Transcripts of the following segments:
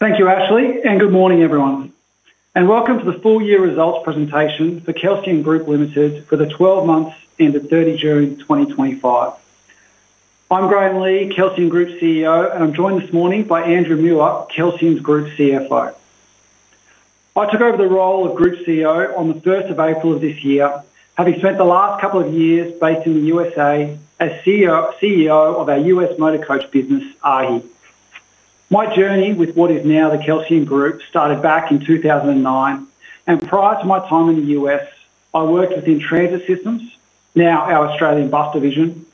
Thank you, Ashley, and good morning, everyone. Welcome to the full-year results presentation for Kelsian Group Limited for the 12 months ended 30 June 2025. I'm Graeme Legh, Kelsian Group CEO, and I'm joined this morning by Andrew Muir, Kelsian Group CFO. I took over the role of Group CEO on the 1st of April of this year, having spent the last couple of years based in the U.S. as CEO of our U.S. motor coach business, AHI. My journey with what is now the Kelsian Group started back in 2009, and prior to my time in the U.S., I worked within Transit Systems, now our Australian bus division,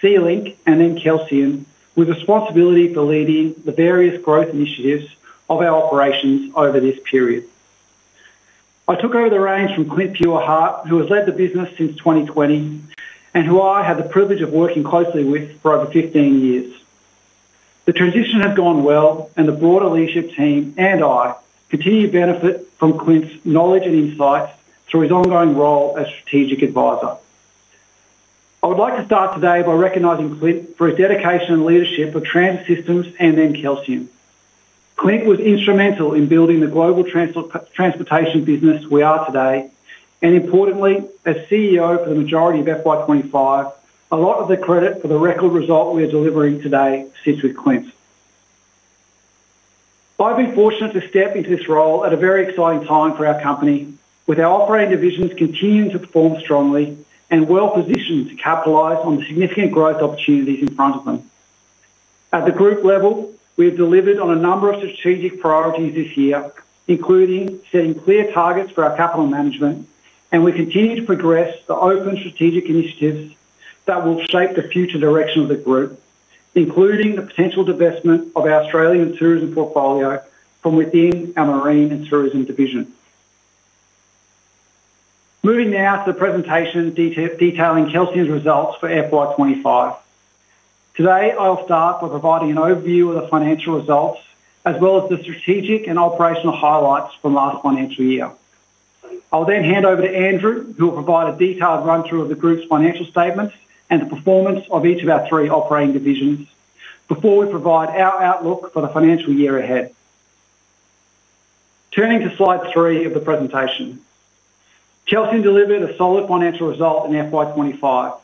C-Link, and then Kelsian, with responsibility for leading the various growth initiatives of our operations over this period. I took over the reins from Clint Feuerherdt, who has led the business since 2020, and who I had the privilege of working closely with for over 15 years. The transition has gone well, and the broader leadership team and I continue to benefit from Clint's knowledge and insight through his ongoing role as Strategic Advisor. I would like to start today by recognizing Clint for his dedication and leadership of Transit Systems and then Kelsian. Clint was instrumental in building the global transportation business we are today, and importantly, as CEO for the majority of FY25, a lot of the credit for the record result we are delivering today sits with Clint. I've been fortunate to step into this role at a very exciting time for our company, with our operating divisions continuing to perform strongly and well-positioned to capitalize on significant growth opportunities in front of them. At the group level, we have delivered on a number of strategic priorities this year, including setting clear targets for our capital management, and we continue to progress the open strategic initiatives that will shape the future direction of the group, including the potential divestment of our Australian tourism portfolio from within our Marine and Tourism division. Moving now to the presentation detailing Kelsian's results for FY25. Today, I'll start by providing an overview of the financial results, as well as the strategic and operational highlights from last financial year. I'll then hand over to Andrew, who will provide a detailed run-through of the group's financial statements and the performance of each of our three operating divisions before we provide our outlook for the financial year ahead. Turning to slide three of the presentation, Kelsian delivered a solid financial result in FY25.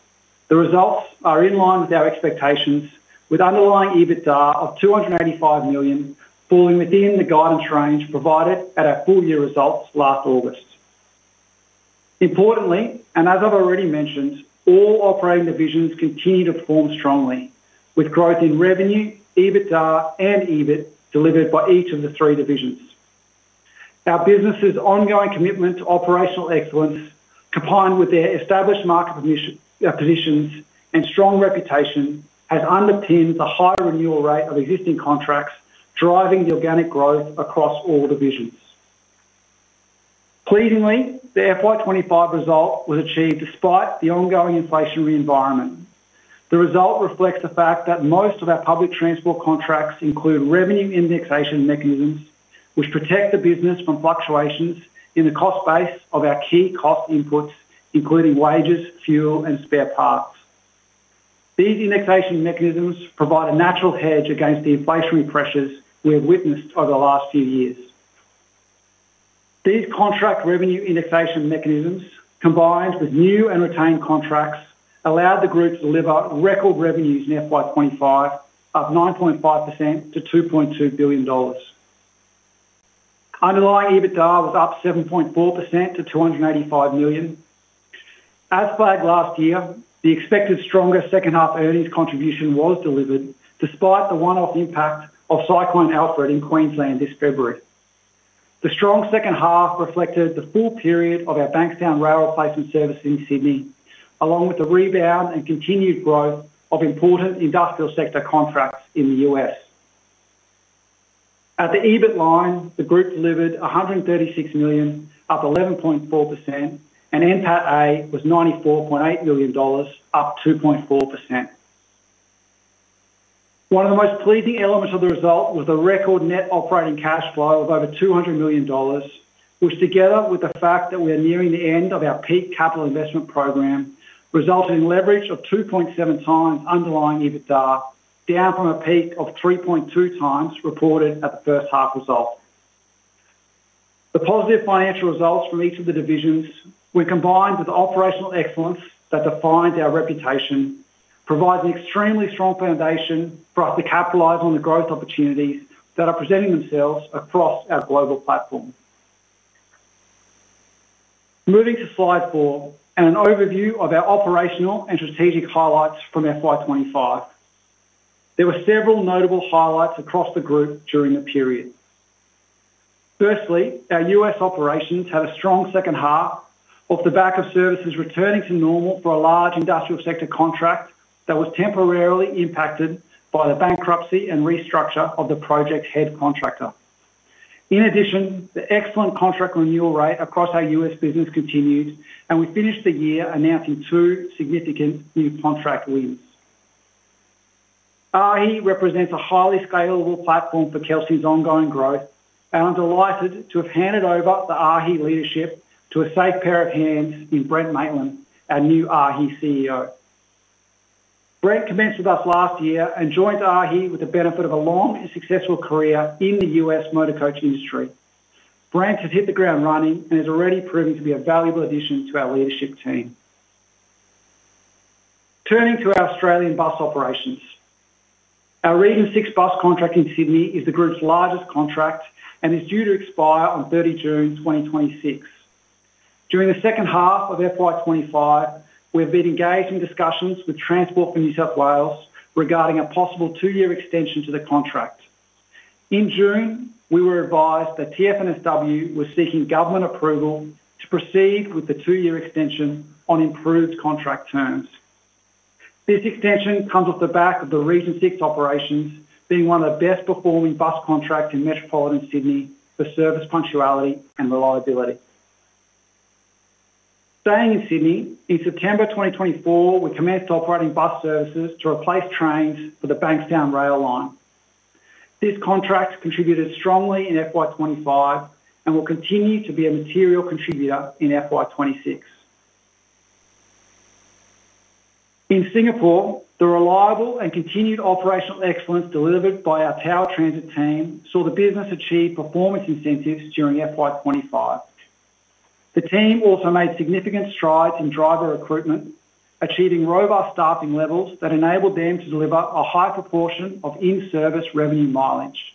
The results are in line with our expectations, with an underlying EBITDA of $285 million, falling within the guidance range provided at our full-year results last August. Importantly, and as I've already mentioned, all operating divisions continue to perform strongly, with growth in revenue, EBITDA, and EBIT delivered by each of the three divisions. Our business's ongoing commitment to operational excellence, combined with their established market positions and strong reputation, has underpinned the higher renewal rate of existing contracts, driving the organic growth across all divisions. Pleasingly, the FY25 result was achieved despite the ongoing inflationary environment. The result reflects the fact that most of our public transport contracts include revenue indexation mechanisms, which protect the business from fluctuations in the cost base of our key cost inputs, including wages, fuel, and spare parts. These indexation mechanisms provide a natural hedge against the inflationary pressures we have witnessed over the last few years. These contract revenue indexation mechanisms, combined with new and retained contracts, allowed the group to deliver record revenues in FY25 of 9.5% to $2.2 billion. Underlying EBITDA was up 7.4% to $285 million. As flagged last year, the expected stronger second-half earnings contribution was delivered, despite the one-off impact of Cyclone Alfred in Queensland this February. The strong second half reflected the full period of our Bankstown Rail Replacement Service in Sydney, along with the rebound and continued growth of important industrial sector contracts in the U.S. At the EBIT line, the group delivered $136 million, up 11.4%, and NPAT-A was $94.8 million, up 2.4%. One of the most pleasing elements of the result was the record net operating cash flow of over $200 million, which, together with the fact that we are nearing the end of our peak capital investment program, resulted in leverage of 2.7 times underlying EBITDA, down from a peak of 3.2 times reported at the first half result. The positive financial results from each of the divisions, when combined with the operational excellence that defines our reputation, provide an extremely strong foundation for us to capitalize on the growth opportunities that are presenting themselves across our global platform. Moving to slide four and an overview of our operational and strategic highlights from FY25, there were several notable highlights across the group during the period. Firstly, our U.S. operations had a strong second half, with the back of services returning to normal for a large industrial sector contract that was temporarily impacted by the bankruptcy and restructure of the project's head contractor. In addition, the excellent contract renewal rate across our U.S. business continued, and we finished the year announcing two significant new contract wins. AHI represents a highly scalable platform for Kelsian's ongoing growth, and I'm delighted to have handed over the AHI leadership to a safe pair of hands in Brent Maitland, our new AHI CEO. Brent commenced with us last year and joined AHI with the benefit of a long and successful career in the U.S. motor coach industry. Brent has hit the ground running and is already proving to be a valuable addition to our leadership team. Turning to our Australian bus operations, our Region 6 contract in Sydney is the group's largest contract and is due to expire on 30 June 2026. During the second half of FY25, we have been engaged in discussions with Transport for New South Wales regarding a possible two-year extension to the contract. In June, we were advised that Transport for New South Wales was seeking government approval to proceed with the two-year extension on improved contract terms. This extension comes off the back of the Region 6 operations being one of the best-performing bus contracts in metropolitan Sydney for service punctuality and reliability. Staying in Sydney, in September 2024, we commenced operating bus services to replace trains for the Bankstown Rail Replacement service. This contract contributed strongly in FY25 and will continue to be a material contributor in FY26. In Singapore, the reliable and continued operational excellence delivered by our Tower Transit team saw the business achieve performance incentives during FY25. The team also made significant strides in driver recruitment, achieving robust staffing levels that enabled them to deliver a high proportion of in-service revenue mileage.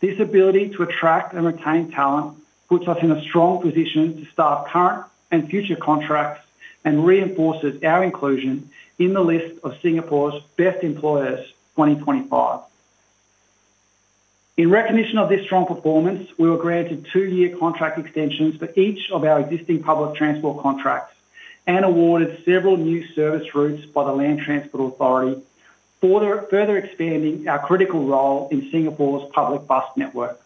This ability to attract and retain talent puts us in a strong position to staff current and future contracts and reinforces our inclusion in the list of Singapore's Best Employers 2025. In recognition of this strong performance, we were granted two-year contract extensions for each of our existing public transport contracts and awarded several new service routes by the Land Transport Authority, further expanding our critical role in Singapore's public bus network.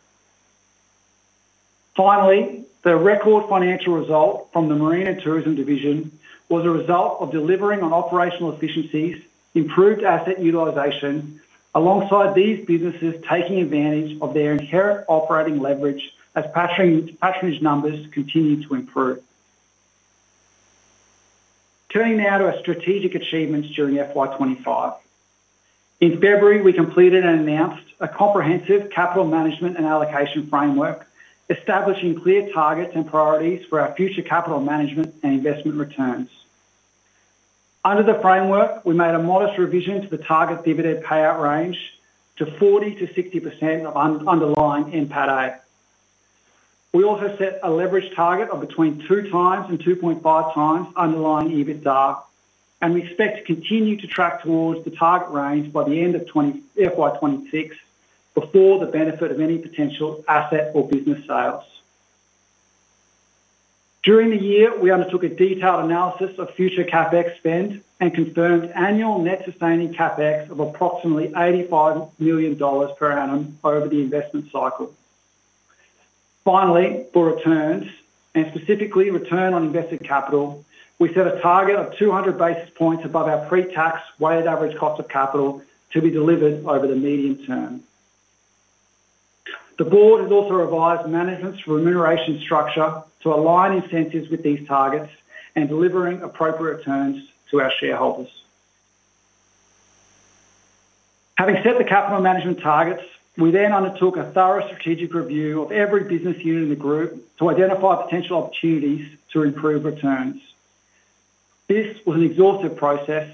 Finally, the record financial result from the Marine and Tourism Division was a result of delivering on operational efficiencies, improved asset utilization, alongside these businesses taking advantage of their inherent operating leverage as passenger numbers continue to improve. Turning now to our strategic achievements during FY2025, in February, we completed and announced a comprehensive capital management and allocation framework, establishing clear targets and priorities for our future capital management and investment returns. Under the framework, we made a modest revision to the target dividend payout range to 40%-60% of underlying NPAT-A. We also set a leverage target of between 2 times and 2.5 times underlying EBITDA, and we expect to continue to track towards the target range by the end of FY2026 before the benefit of any potential asset or business sales. During the year, we undertook a detailed analysis of future CapEx spend and confirmed annual net sustaining CapEx of approximately $85 million per annum over the investment cycle. Finally, for returns, and specifically return on invested capital, we set a target of 200 basis points above our pre-tax weighted average cost of capital to be delivered over the medium term. The Board has also revised management's remuneration structure to align incentives with these targets and deliver appropriate returns to our shareholders. Having set the capital management targets, we then undertook a thorough strategic review of every business unit in the group to identify potential opportunities to improve returns. This was an exhaustive process,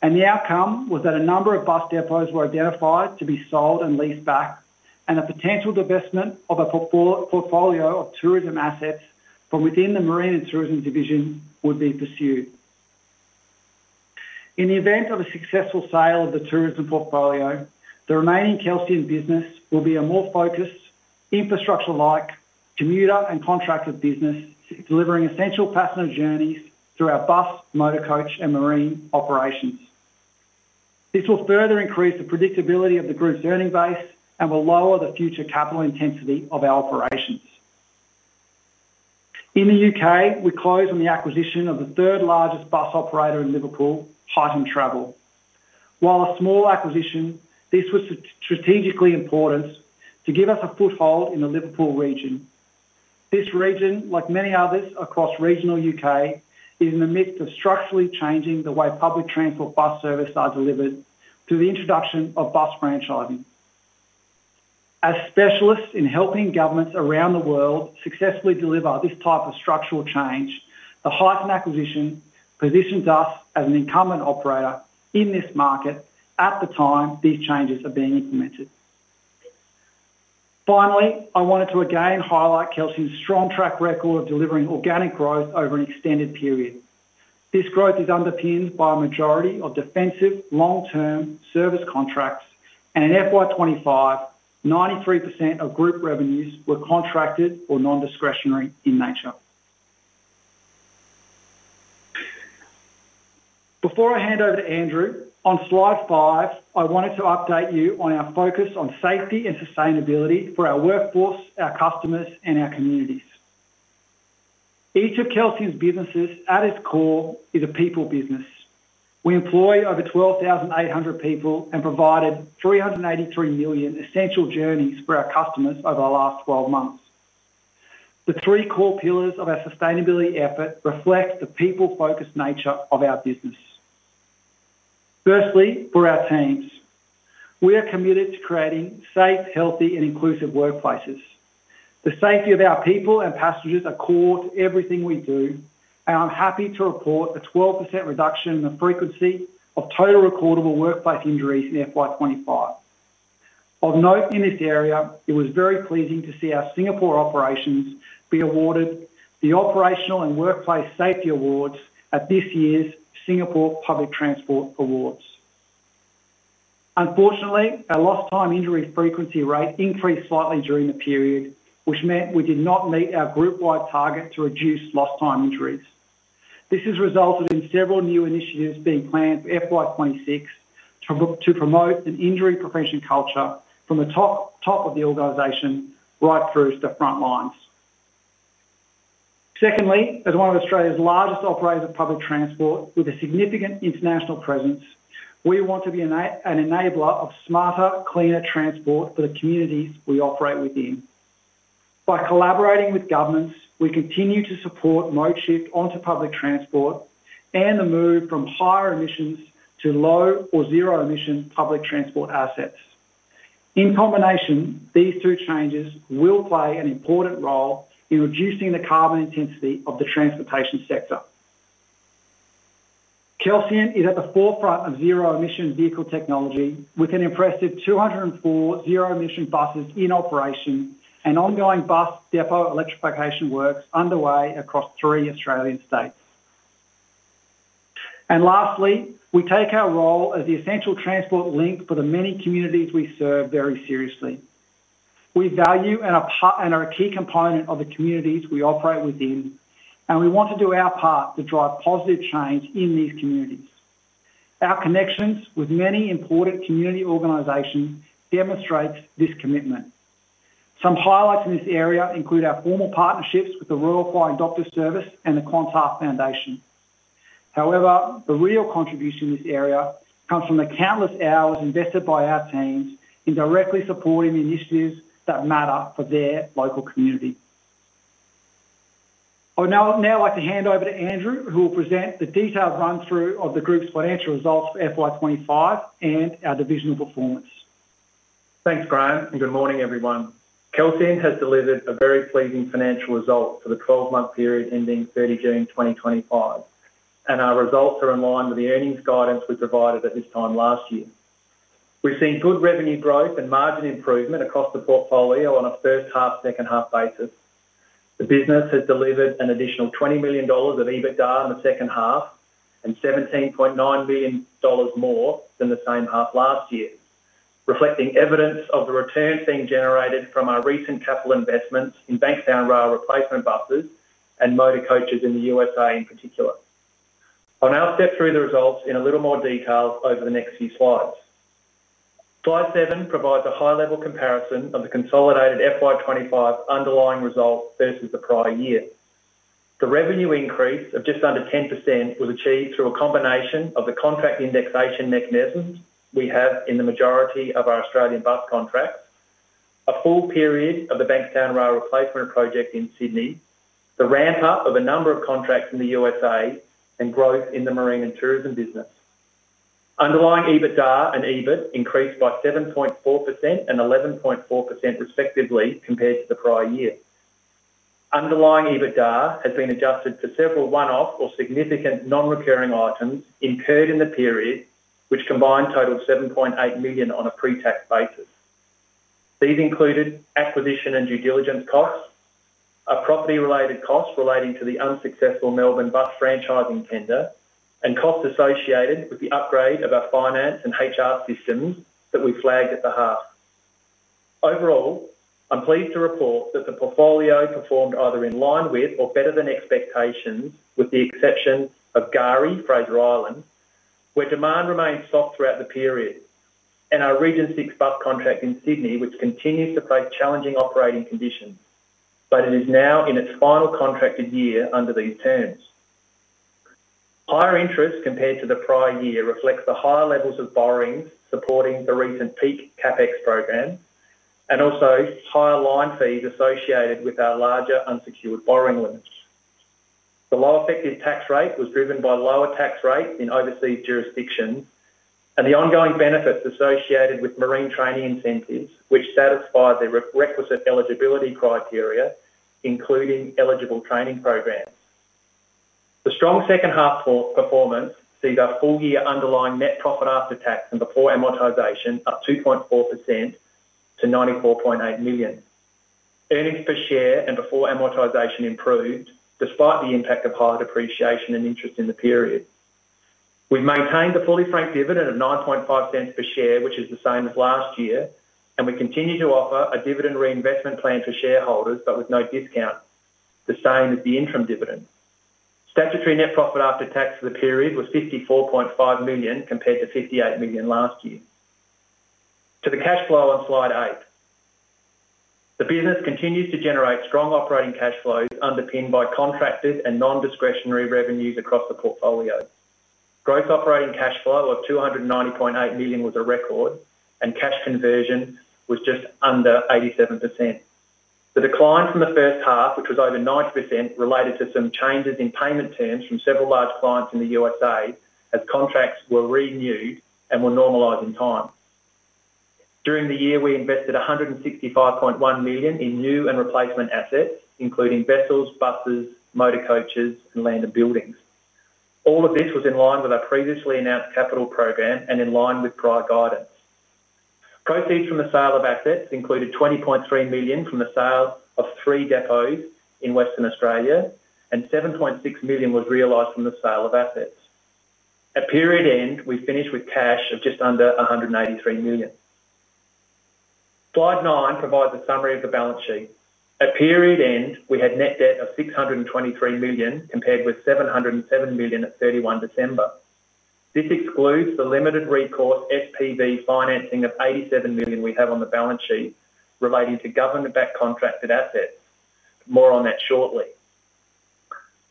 and the outcome was that a number of bus depots were identified to be sold and leased back, and a potential divestment of a portfolio of tourism assets from within the Marine and Tourism Division would be pursued. In the event of a successful sale of the tourism portfolio, the remaining Kelsian business will be a more focused, infrastructure-like, commuter and contracted business, delivering essential passenger journeys to our bus, motor coach, and marine operations. This will further increase the predictability of the group's earning base and will lower the future capital intensity of our operations. In the UK, we closed on the acquisition of the third largest bus operator in Liverpool, Python Travel. While a small acquisition, this was strategically important to give us a foothold in the Liverpool region. This region, like many others across regional UK, is in the midst of structurally changing the way public transport bus services are delivered through the introduction of bus franchising. As specialists in helping governments around the world successfully deliver this type of structural change, the Python acquisition positioned us as an incumbent operator in this market at the time these changes are being implemented. Finally, I wanted to again highlight Kelsian's strong track record of delivering organic growth over an extended period. This growth is underpinned by a majority of defensive long-term service contracts, and in FY25, 93% of group revenues were contracted or non-discretionary in nature. Before I hand over to Andrew Muir, on slide five, I wanted to update you on our focus on safety and sustainability for our workforce, our customers, and our communities. Each of Kelsian's businesses at its core is a people business. We employ over 12,800 people and provided 383 million essential journeys for our customers over the last 12 months. The three core pillars of our sustainability effort reflect the people-focused nature of our business. Firstly, for our teams, we are committed to creating safe, healthy, and inclusive workplaces. The safety of our people and passengers is core to everything we do, and I'm happy to report a 12% reduction in the frequency of total recordable workplace injuries in FY25. Of note in this area, it was very pleasing to see our Singapore operations be awarded the Operational and Workplace Safety Awards at this year's Singapore Public Transport Awards. Unfortunately, our lost time injury frequency rate increased slightly during the period, which meant we did not meet our group-wide target to reduce lost time injuries. This has resulted in several new initiatives being planned for FY26 to promote an injury prevention culture from the top of the organization right through to the front lines. Secondly, as one of Australia's largest operators of public transport with a significant international presence, we want to be an enabler of smarter, cleaner transport for the communities we operate within. By collaborating with governments, we continue to support mode shift onto public transport and the move from higher emissions to low or zero emission public transport assets. In combination, these two changes will play an important role in reducing the carbon intensity of the transportation sector. Kelsian is at the forefront of zero emission vehicle technology, with an impressive 204 zero emission buses in operation and ongoing bus depot electrification works underway across three Australian states. Lastly, we take our role as the essential transport link for the many communities we serve very seriously. We value and are a key component of the communities we operate within, and we want to do our part to drive positive change in these communities. Our connections with many important community organizations demonstrate this commitment. Some highlights in this area include our formal partnerships with the Royal Flying Doctor Service and the Quonsar Foundation. However, the real contribution in this area comes from the countless hours invested by our teams in directly supporting initiatives that matter for their local community. I would now like to hand over to Andrew Muir, who will present the detailed run-through of the group's financial results for FY2025 and our divisional performance. Thanks, Graeme, and good morning, everyone. Kelsian has delivered a very pleasing financial result for the 12-month period ending 30 June 2025, and our results are in line with the earnings guidance we provided at this time last year. We've seen good revenue growth and margin improvement across the portfolio on a first half, second half basis. The business has delivered an additional $20 million of EBITDA in the second half and $17.9 million more than the same half last year, reflecting evidence of the returns being generated from our recent capital investments in Bankstown Rail Replacement buses and motor coaches in the U.S. in particular. I'll now step through the results in a little more detail over the next few slides. Slide seven provides a high-level comparison of the consolidated FY25 underlying results versus the prior year. The revenue increase of just under 10% was achieved through a combination of the contract indexation mechanisms we have in the majority of our Australian bus contracts, a full period of the Bankstown Rail Replacement project in Sydney, the ramp-up of a number of contracts in the U.S., and growth in the marine and tourism business. Underlying EBITDA and EBIT increased by 7.4% and 11.4% respectively compared to the prior year. Underlying EBITDA has been adjusted for several one-off or significant non-recurring items incurred in the period, which combined a total of $7.8 million on a pre-tax basis. These included acquisition and due diligence costs, a property-related cost relating to the unsuccessful Melbourne bus franchising tender, and costs associated with the upgrade of our finance and HR systems that we flagged at the half. Overall, I'm pleased to report that the portfolio performed either in line with or better than expectations, with the exception of Gari Fraser Island, where demand remained soft throughout the period, and our Region 6 contract in Sydney, which continues to face challenging operating conditions, but it is now in its final contracted year under these terms. Higher interest compared to the prior year reflects the high levels of borrowings supporting the recent peak CapEx program and also higher line fees associated with our larger unsecured borrowing limits. The low effective tax rate was driven by lower tax rates in overseas jurisdictions and the ongoing benefits associated with marine training incentives, which satisfied the requisite eligibility criteria, including eligible training programs. The strong second-half performance sees our full-year underlying net profit after tax and before amortization up 2.4% to $94.8 million. Earnings per share and before amortization improved despite the impact of high depreciation and interest in the period. We've maintained a fully franked dividend of $0.095 per share, which is the same as last year, and we continue to offer a dividend reinvestment plan for shareholders, but with no discounts, the same as the interim dividend. Statutory net profit after tax for the period was $54.5 million compared to $58 million last year. To the cash flow on slide eight, the business continues to generate strong operating cash flows underpinned by contracted and non-discretionary revenues across the portfolio. Gross operating cash flow of $290.8 million was a record, and cash conversion was just under 87%. The decline from the first half, which was over 90%, related to some changes in payment terms from several large clients in the U.S. as contracts were renewed and will normalize in time. During the year, we invested $165.1 million in new and replacement assets, including vessels, buses, motor coaches, and land and buildings. All of this was in line with our previously announced capital program and in line with prior guidance. Proceeds from the sale of assets included $20.3 million from the sale of three depots in Western Australia, and $7.6 million was realized from the sale of assets. At period end, we finished with cash of just under $183 million. Slide nine provides a summary of the balance sheet. At period end, we had net debt of $623 million compared with $707 million at 31 December. This excludes the limited recourse SPV financing of $87 million we have on the balance sheet relating to government-backed contracted assets, but more on that shortly.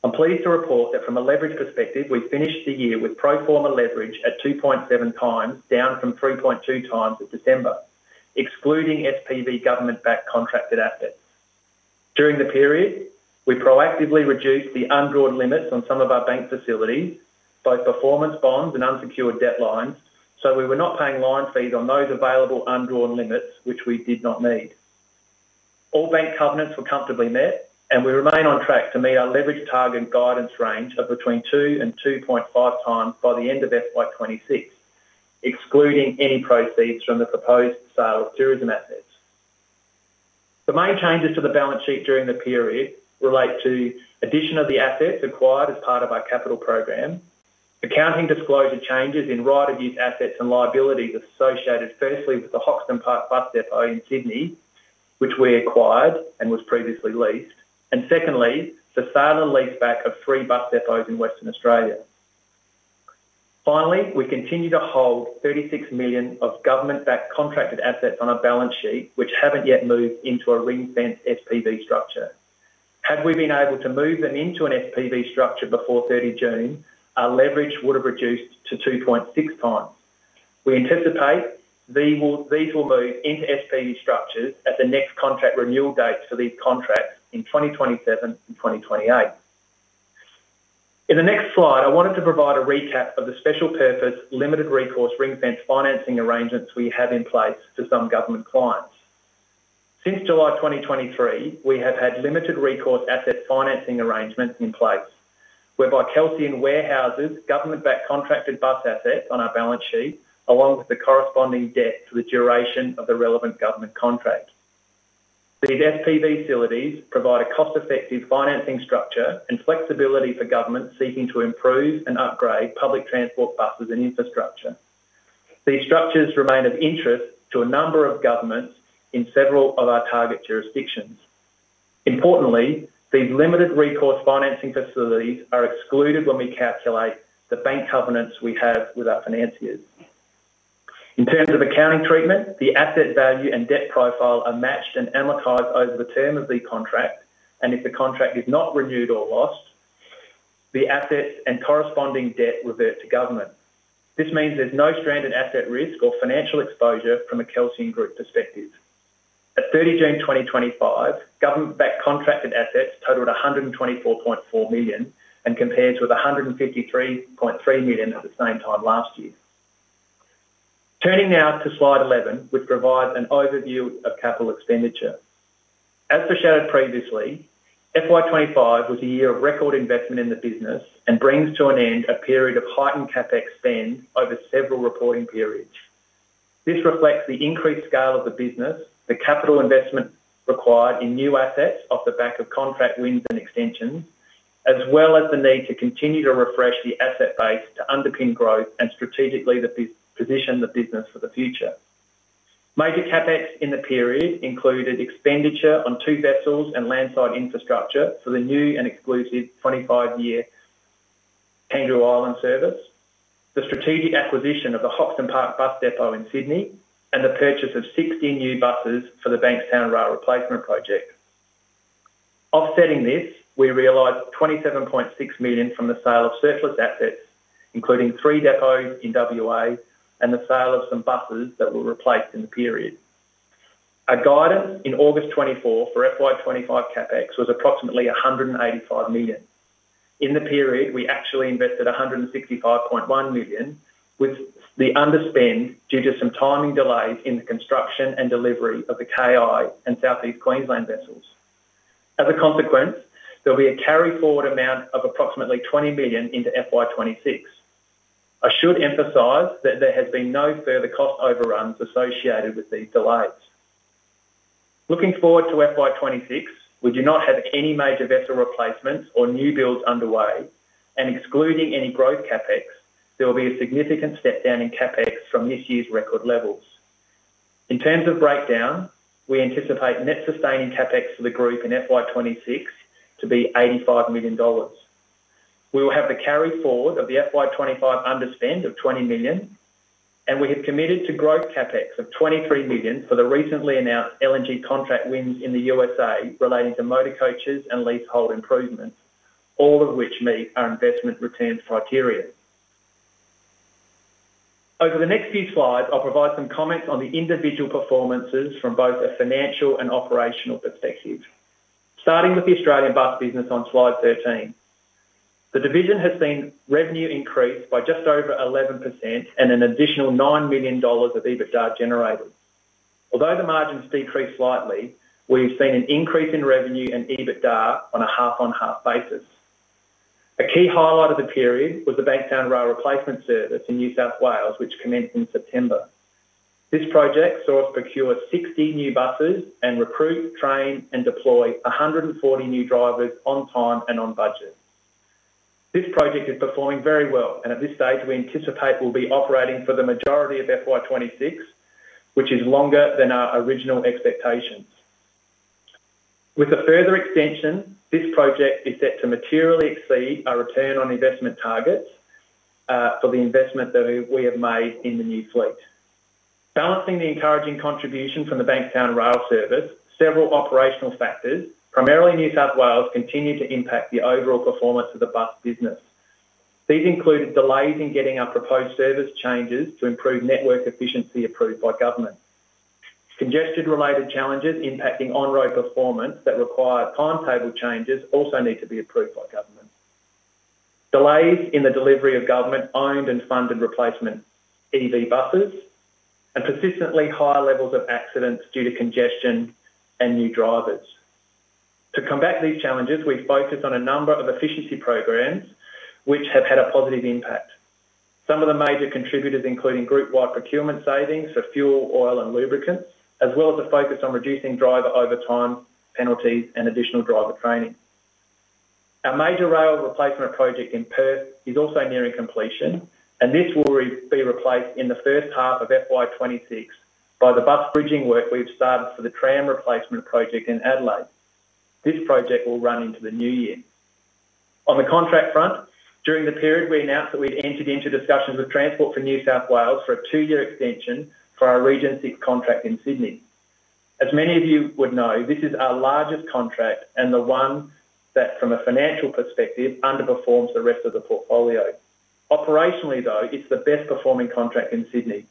I'm pleased to report that from a leverage perspective, we finished the year with pro forma leverage at 2.7 times, down from 3.2 times at December, excluding SPV government-backed contracted assets. During the period, we proactively reduced the undrawn limits on some of our bank facilities, both performance bonds and unsecured debt lines, so we were not paying line fees on those available undrawn limits, which we did not need. All bank covenants were comfortably met, and we remain on track to meet our leverage target guidance range of between 2 and 2.5 times by the end of FY2026, excluding any proceeds from the proposed sale of tourism assets. The main changes to the balance sheet during the period relate to the addition of the assets acquired as part of our capital program, accounting disclosure changes in right-of-use assets and liabilities associated firstly with the Hoxton Park bus depot in Sydney, which we acquired and was previously leased, and secondly, the sale and leaseback of three bus depots in Western Australia. Finally, we continue to hold $36 million of government-backed contracted assets on our balance sheet, which haven't yet moved into a ring-fenced SPV structure. Had we been able to move them into an SPV structure before 30 June, our leverage would have reduced to 2.6 times. We anticipate these will move into SPV structures at the next contract renewal dates for these contracts in 2027 and 2028. In the next slide, I wanted to provide a recap of the special purpose limited recourse ring-fenced financing arrangements we have in place for some government clients. Since July 2023, we have had limited recourse asset financing arrangements in place, whereby Kelsian warehouses government-backed contracted bus assets on our balance sheet, along with the corresponding debt for the duration of the relevant government contract. These SPV facilities provide a cost-effective financing structure and flexibility for governments seeking to improve and upgrade public transport buses and infrastructure. These structures remain of interest to a number of governments in several of our target jurisdictions. Importantly, these limited recourse financing facilities are excluded when we calculate the bank covenants we have with our financiers. In terms of accounting treatment, the asset value and debt profile are matched and amortized over the term of the contract, and if the contract is not renewed or lost, the assets and corresponding debt revert to government. This means there's no stranded asset risk or financial exposure from a Kelsian Group perspective. At 30 June 2025, government-backed contracted assets totaled $124.4 million and compared with $153.3 million at the same time last year. Turning now to slide 11, which provides an overview of capital expenditure. As foreshadowed previously, FY25 was a year of record investment in the business and brings to an end a period of heightened CapEx spend over several reporting periods. This reflects the increased scale of the business, the capital investment required in new assets off the back of contract wins and extensions, as well as the need to continue to refresh the asset base to underpin growth and strategically position the business for the future. Major CapEx in the period included expenditure on two vessels and landside infrastructure for the new and exclusive 25-year Kangaroo Island service, the strategic acquisition of the Hoxton Park bus depot in Sydney, and the purchase of 16 new buses for the Bankstown Rail Replacement Service. Offsetting this, we realized $27.6 million from the sale of surplus assets, including three depots in Western Australia and the sale of some buses that were replaced in the period. Our guidance in August 2024 for FY2025 CapEx was approximately $185 million. In the period, we actually invested $165.1 million with the underspend due to some timing delays in the construction and delivery of the Kangaroo Island and Southeast Queensland vessels. As a consequence, there'll be a carry-forward amount of approximately $20 million into FY2026. I should emphasize that there have been no further cost overruns associated with these delays. Looking forward to FY2026, we do not have any major vessel replacements or new builds underway, and excluding any growth CapEx, there will be a significant stepdown in CapEx from this year's record levels. In terms of breakdown, we anticipate net sustaining CapEx for the group in FY2026 to be $85 million. We will have the carry-forward of the FY2025 underspend of $20 million, and we have committed to growth CapEx of $23 million for the recently announced LNG contract wins in the U.S. relating to motor coaches and leasehold improvements, all of which meet our investment returns criteria. Over the next few slides, I'll provide some comments on the individual performances from both a financial and operational perspective. Starting with the Australian bus business on slide 13, the division has seen revenue increase by just over 11% and an additional $9 million of EBITDA generated. Although the margins decreased slightly, we've seen an increase in revenue and EBITDA on a half-on-half basis. A key highlight of the period was the Bankstown Rail Replacement Service in New South Wales, which commenced in September. This project saw us procure 60 new buses and recruit, train, and deploy 140 new drivers on time and on budget. This project is performing very well, and at this stage, we anticipate we'll be operating for the majority of FY2026, which is longer than our original expectations. With a further extension, this project is set to materially exceed our return on investment targets for the investment that we have made in the new fleet. Balancing the encouraging contribution from the Bankstown Rail Replacement service, several operational factors, primarily in New South Wales, continue to impact the overall performance of the bus business. These included delays in getting our proposed service changes to improve network efficiency approved by government. Congestion-related challenges impacting on-road performance that require timetable changes also need to be approved by government. Delays in the delivery of government-owned and funded replacement EV buses and persistently high levels of accidents due to congestion and new drivers. To combat these challenges, we've focused on a number of efficiency programs which have had a positive impact. Some of the major contributors include group-wide procurement savings for fuel, oil, and lubricants, as well as a focus on reducing driver overtime penalties and additional driver training. Our major rail replacement project in Perth is also nearing completion, and this will be replaced in the first half of FY2026 by the bus bridging work we've started for the tram replacement project in Adelaide. This project will run into the new year. On the contract front, during the period, we announced that we'd entered into discussions with Transport for New South Wales for a two-year extension for our Region 6 contract in Sydney. As many of you would know, this is our largest contract and the one that, from a financial perspective, underperforms the rest of the portfolio. Operationally, though, it's the best-performing contract in Sydney.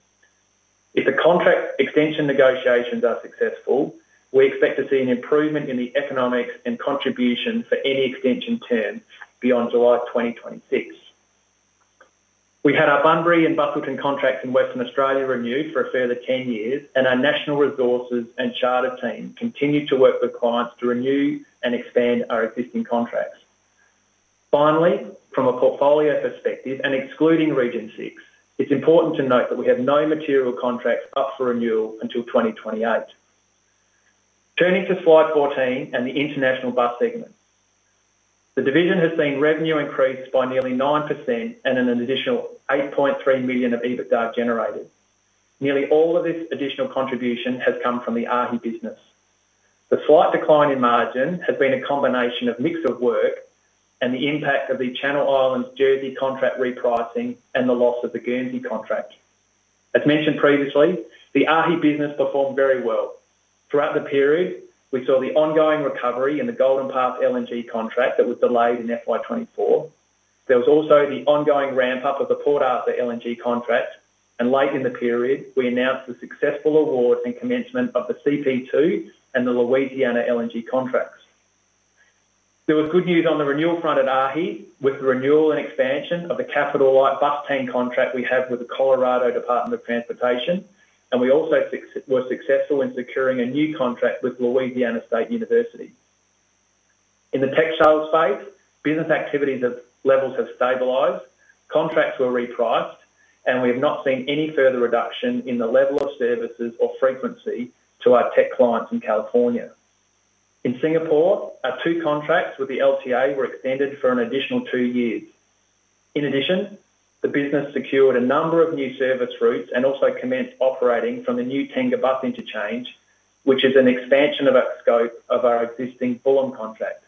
If the contract extension negotiations are successful, we expect to see an improvement in the economics and contribution for any extension term beyond July 2026. We had our Bunbury and Busselton contracts in Western Australia renewed for a further 10 years, and our National Resources and Charter team continued to work with clients to renew and expand our existing contracts. Finally, from a portfolio perspective and excluding Region 6, it's important to note that we have no material contracts up for renewal until 2028. Turning to slide 14 and the international bus segment, the division has seen revenue increase by nearly 9% and an additional $8.3 million of EBITDA generated. Nearly all of this additional contribution has come from the AHI business. The slight decline in margin has been a combination of a mix of work and the impact of the Channel Islands Jersey contract repricing and the loss of the Guernsey contract. As mentioned previously, the AHI business performed very well. Throughout the period, we saw the ongoing recovery in the Golden Park LNG contract that was delayed in FY2024. There was also the ongoing ramp-up of the Port Arthur LNG contract, and late in the period, we announced the successful award and commencement of the CP2 and the Louisiana LNG contracts. There was good news on the renewal front at AHI with the renewal and expansion of the capital-like bus team contract we have with the Colorado Department of Transportation, and we also were successful in securing a new contract with Louisiana State University. In the textiles space, business activity levels have stabilized, contracts were repriced, and we have not seen any further reduction in the level of services or frequency to our tech clients in California. In Singapore, our two contracts with the Land Transport Authority were extended for an additional two years. In addition, the business secured a number of new service routes and also commenced operating from the new Tenga Bus Interchange, which is an expansion of our scope of our existing Fulham contract.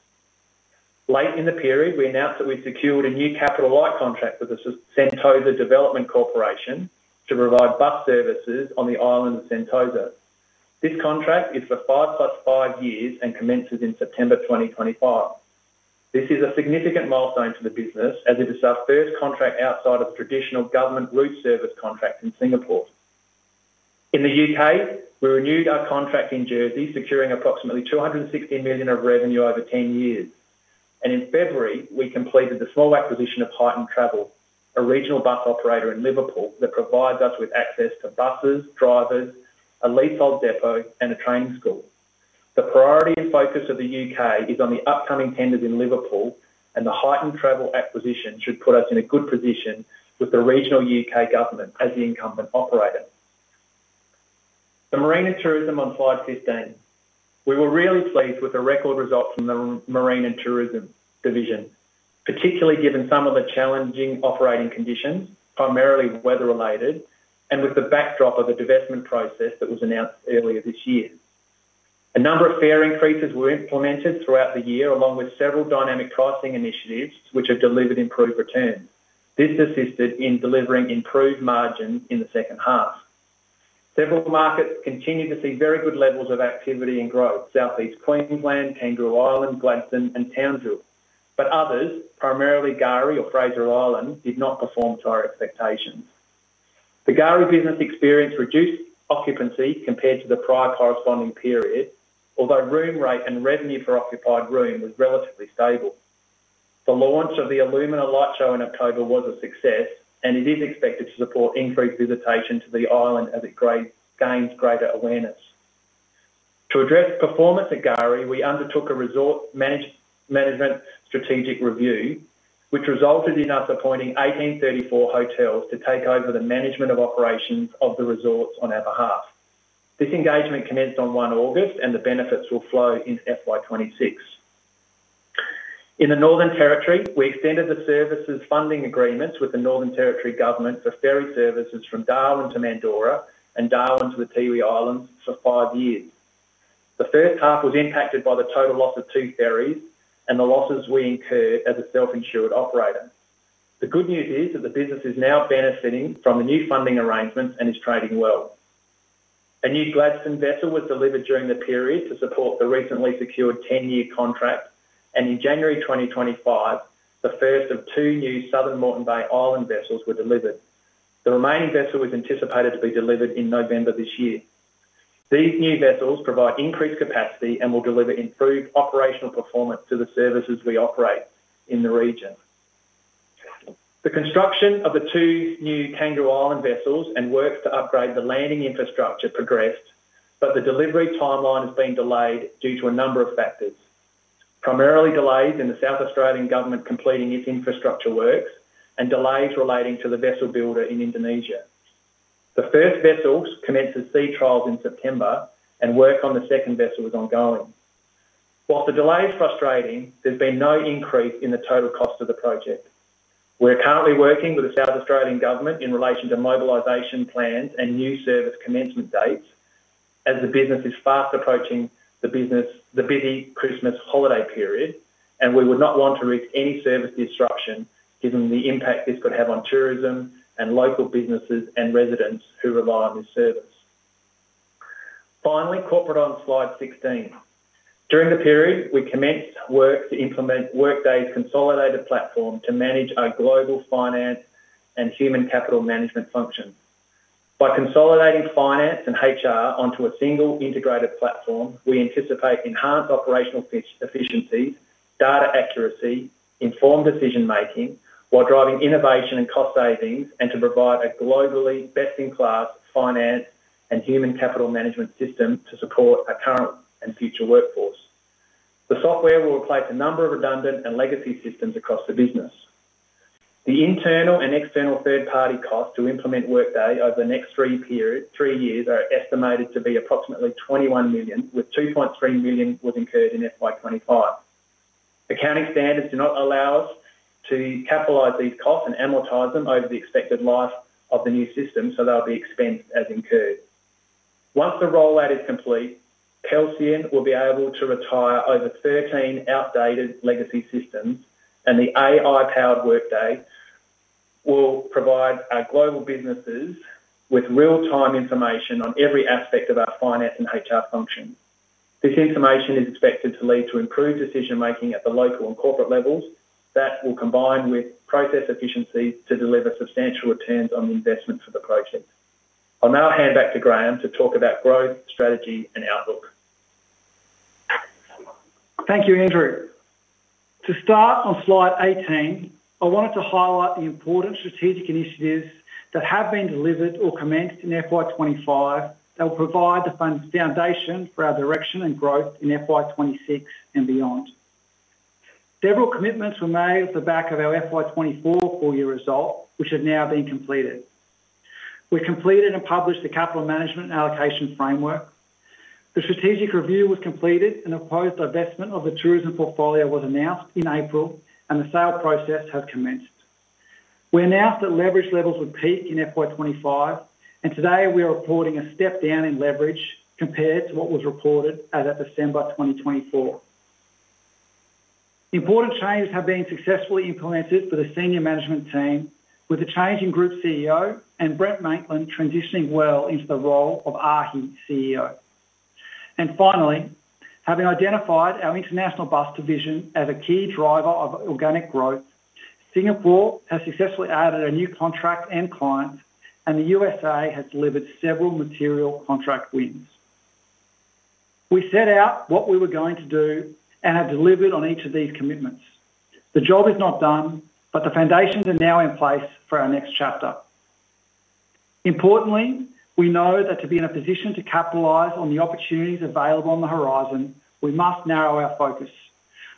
Late in the period, we announced that we've secured a new capital-like contract with the Sentosa Development Corporation to provide bus services on the island of Sentosa. This contract is for five plus five years and commences in September 2025. This is a significant milestone to the business, as it is our first contract outside of traditional government route service contracts in Singapore. In the UK, we renewed our contract in Jersey, securing approximately $216 million of revenue over 10 years, and in February, we completed the full acquisition of Python Travel, a regional bus operator in Liverpool that provides us with access to buses, drivers, a leasehold depot, and a training school. The priority and focus of the UK is on the upcoming tenders in Liverpool, and the Python Travel acquisition should put us in a good position with the regional UK government as the incumbent operator. The marine and tourism on slide 15, we were really pleased with the record results from the marine and tourism division, particularly given some of the challenging operating conditions, primarily weather-related, and with the backdrop of the divestment process that was announced earlier this year. A number of fare increases were implemented throughout the year, along with several dynamic pricing initiatives, which have delivered improved returns. This has assisted in delivering improved margin in the second half. Several markets continue to see very good levels of activity and growth: Southeast Queensland, Kangaroo Island, Gladstone, and Townsville, but others, primarily K'gari or Fraser Island, did not perform to our expectations. The K'gari business experienced reduced occupancy compared to the prior corresponding period, although room rate and revenue per occupied room were relatively stable. The launch of the Illumina light show in October was a success, and it is expected to support increased visitation to the island as it gains greater awareness. To address performance at K'gari, we undertook a resort management strategic review, which resulted in us appointing 1834 Hotels to take over the management of operations of the resorts on our behalf. This engagement commenced on 1 August, and the benefits will flow into FY26. In the Northern Territory, we extended the services funding agreements with the Northern Territory government for ferry services from Darwin to Mandorah and Darwin to the Tiwi Islands for five years. The first half was impacted by the total loss of two ferries and the losses we incurred as a self-insured operator. The good news is that the business is now benefiting from the new funding arrangements and is trading well. A new Gladstone vessel was delivered during the period to support the recently secured 10-year contract, and in January 2025, the first of two new Southern Moreton Bay Island vessels was delivered. The remaining vessel was anticipated to be delivered in November this year. These new vessels provide increased capacity and will deliver improved operational performance to the services we operate in the region. The construction of the two new Kangaroo Island vessels and works to upgrade the landing infrastructure progressed, but the delivery timeline has been delayed due to a number of factors, primarily delays in the South Australian government completing its infrastructure works and delays relating to the vessel builder in Indonesia. The first vessel commenced its sea trials in September, and work on the second vessel is ongoing. Whilst the delay is frustrating, there's been no increase in the total cost of the project. We're currently working with the South Australian government in relation to mobilization plans and new service commencement dates, as the business is fast approaching the busy Christmas holiday period, and we would not want to risk any service disruption given the impact this could have on tourism and local businesses and residents who rely on this service. Finally, Corporate on slide 16. During the period, we commenced work to implement Workday's consolidated platform to manage our global finance and human capital management function. By consolidating finance and HR onto a single integrated platform, we anticipate enhanced operational efficiencies, data accuracy, informed decision-making while driving innovation and cost savings, and to provide a globally best-in-class finance and human capital management system to support our current and future workforce. The software will replace a number of redundant and legacy systems across the business. The internal and external third-party costs to implement Workday over the next three years are estimated to be approximately $21 million, with $2.3 million incurred in FY25. Accounting standards do not allow us to capitalize these costs and amortize them over the expected life of the new system, so they'll be expensed as incurred. Once the rollout is complete, Kelsian will be able to retire over 13 outdated legacy systems, and the AI-powered Workday will provide our global businesses with real-time information on every aspect of our finance and HR function. This information is expected to lead to improved decision-making at the local and corporate levels that will combine with process efficiency to deliver substantial returns on the investment for the project. I'll now hand back to Graeme to talk about growth strategy and outlook. Thank you, Andrew. To start on slide 18, I wanted to highlight the important strategic initiatives that have been delivered or commenced in FY25 that will provide the foundation for our direction and growth in FY26 and beyond. Several commitments were made off the back of our FY24 full-year result, which has now been completed. We completed and published the capital management allocation framework. The strategic review was completed, and a proposed divestment of the tourism portfolio was announced in April, and the sale process has commenced. We announced that leverage levels would peak in FY25, and today we are reporting a step down in leverage compared to what was reported as of December 2024. Important changes have been successfully implemented for the Senior Management Team, with the change in Group CEO and Brent Maitland transitioning well into the role of AHI CEO. Finally, having identified our international bus division as a key driver of organic growth, Singapore has successfully added a new contract and client, and the U.S. has delivered several material contract wins. We set out what we were going to do and have delivered on each of these commitments. The job is not done, but the foundations are now in place for our next chapter. Importantly, we know that to be in a position to capitalize on the opportunities available on the horizon, we must narrow our focus.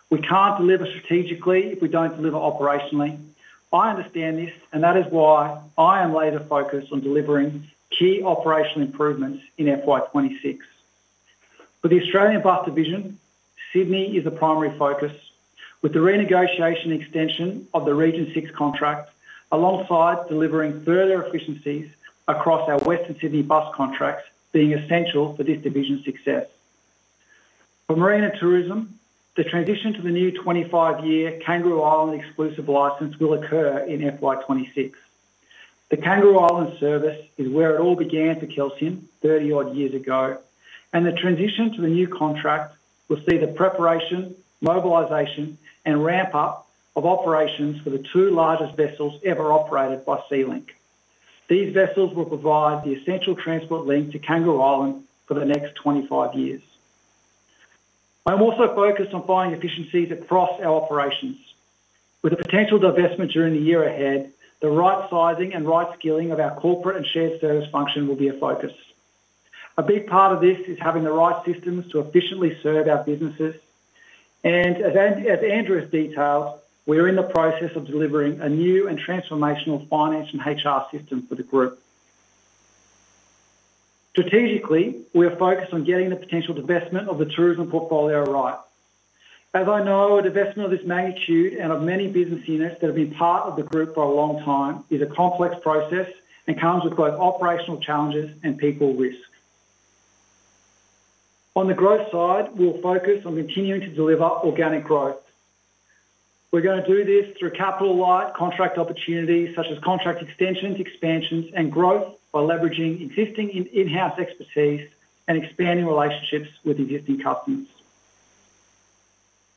We can't deliver strategically if we don't deliver operationally. I understand this, and that is why I am laser-focused on delivering key operational improvements in FY26. For the Australian bus division, Sydney is the primary focus, with the renegotiation extension of the Region 6 contract alongside delivering further efficiencies across our Western Sydney bus contracts being essential for this division's success. For marine and tourism, the transition to the new 25-year Kangaroo Island exclusive license will occur in FY26. The Kangaroo Island service is where it all began for Kelsian 30-odd years ago, and the transition to a new contract will see the preparation, mobilization, and ramp-up of operations for the two largest vessels ever operated by SeaLink. These vessels will provide the essential transport link to Kangaroo Island for the next 25 years. I'm also focused on finding efficiencies across our operations. With the potential divestment during the year ahead, the right sizing and right skilling of our corporate and shared service function will be a focus. A big part of this is having the right systems to efficiently serve our businesses, and as Andrew Muir has detailed, we're in the process of delivering a new and transformational finance and HR system for the group. Strategically, we are focused on getting the potential divestment of the tourism portfolio right. As I know, a divestment of this magnitude and of many business units that have been part of the group for a long time is a complex process and comes with both operational challenges and people risks. On the growth side, we'll focus on continuing to deliver organic growth. We're going to do this through capital-light contract opportunities such as contract extensions, expansions, and growth by leveraging existing in-house expertise and expanding relationships with existing customers.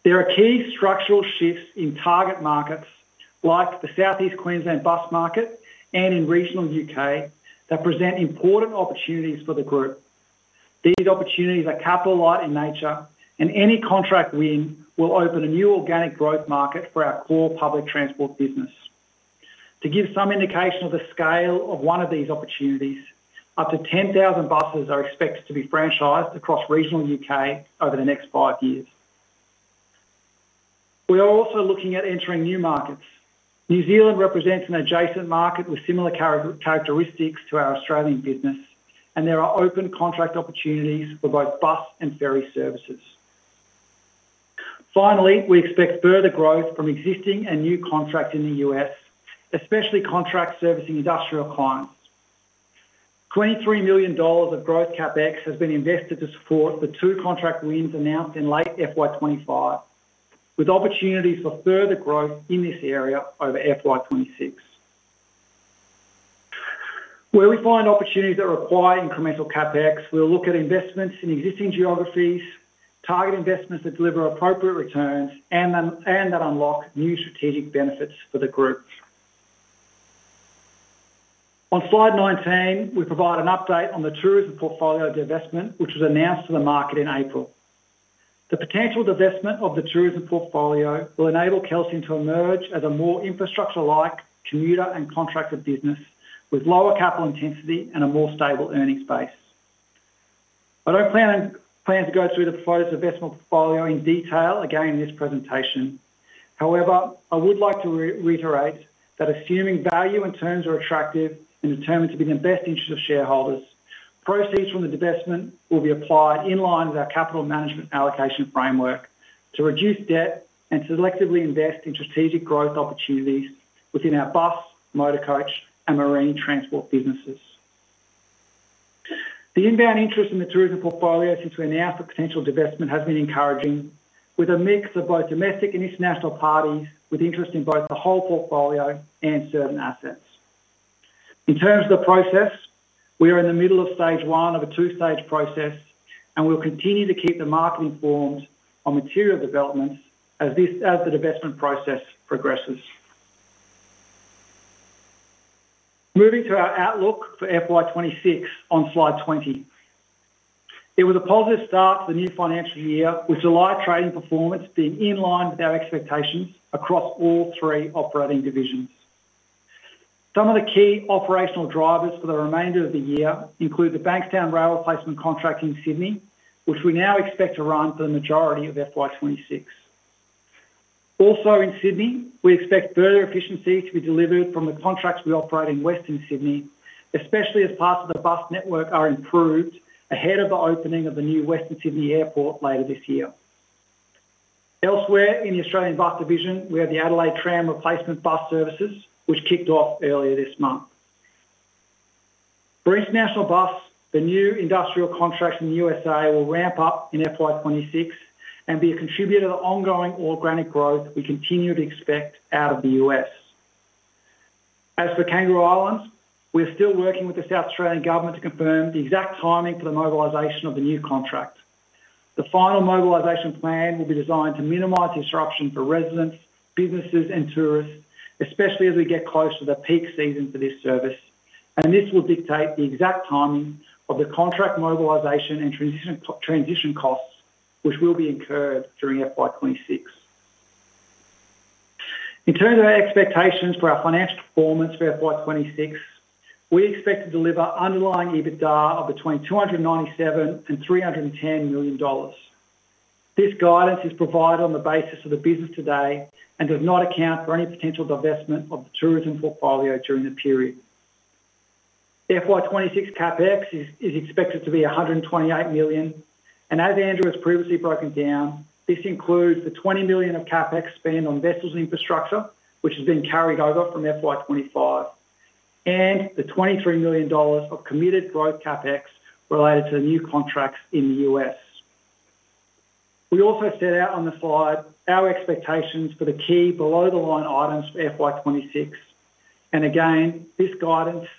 There are key structural shifts in target markets like the Southeast Queensland bus market and in regional UK that present important opportunities for the group. These opportunities are capital-light in nature, and any contract win will open a new organic growth market for our core public transport business. To give some indication of the scale of one of these opportunities, up to 10,000 buses are expected to be franchised across regional UK over the next five years. We are also looking at entering new markets. New Zealand represents an adjacent market with similar characteristics to our Australian business, and there are open contract opportunities for both bus and ferry services. Finally, we expect further growth from existing and new contracts in the US, especially contracts servicing industrial clients. $23 million of growth CapEx has been invested to support the two contract wins announced in late FY25, with opportunities for further growth in this area over FY26. Where we find opportunities that require incremental CapEx, we'll look at investments in existing geographies, target investments that deliver appropriate returns, and that unlock new strategic benefits for the group. On slide 19, we provide an update on the tourism portfolio divestment, which was announced to the market in April. The potential divestment of the tourism portfolio will enable Kelsian Group Limited to emerge as a more infrastructure-like commuter and contracted business with lower capital intensity and a more stable earnings base. I don't plan to go through the proposed investment portfolio in detail again in this presentation. However, I would like to reiterate that assuming value and terms are attractive and determined to be in the best interest of shareholders, proceeds from the divestment will be applied in line with our capital management allocation framework to reduce debt and selectively invest in strategic growth opportunities within our bus, motor coach, and marine transport businesses. The inbound interest in the tourism portfolio, since we announced the potential divestment, has been encouraging, with a mix of both domestic and international parties with interest in both the whole portfolio and certain assets. In terms of the process, we are in the middle of stage one of a two-stage process, and we'll continue to keep the market informed on material developments as the divestment process progresses. Moving to our outlook for FY2026 on slide 20, it was a positive start to the new financial year, with July trading performance being in line with our expectations across all three operating divisions. Some of the key operational drivers for the remainder of the year include the Bankstown Rail Replacement service in Sydney, which we now expect to run for the majority of FY2026. Also in Sydney, we expect further efficiency to be delivered from the contracts we operate in Western Sydney, especially as parts of the bus network are improved ahead of the opening of the new Western Sydney Airport later this year. Elsewhere in the Australian bus division, we have the Adelaide Tram Replacement Bus Services, which kicked off earlier this month. For international bus, the new industrial contracts in the U.S. will ramp up in FY2026 and be a contributor to the ongoing organic growth we continue to expect out of the U.S. As for Kangaroo Island, we are still working with the South Australian government to confirm the exact timing for the mobilization of the new contract. The final mobilization plan will be designed to minimize disruption for residents, businesses, and tourists, especially as we get close to the peak season for this service, and this will dictate the exact timing of the contract mobilization and transition costs, which will be incurred during FY2026. In terms of our expectations for our financial performance for FY2026, we expect to deliver underlying EBITDA of between $297 million and $310 million. This guidance is provided on the basis of the business today and does not account for any potential divestment of the tourism portfolio during the period. FY26 CapEx is expected to be $128 million, and as Andrew has previously broken down, this includes the $20 million of CapEx spend on vessels and infrastructure, which has been carried over from FY25, and the $23 million of committed growth CapEx related to the new contracts in the U.S. We also set out on the slide our expectations for the key below-the-line items for FY26, and again, this guidance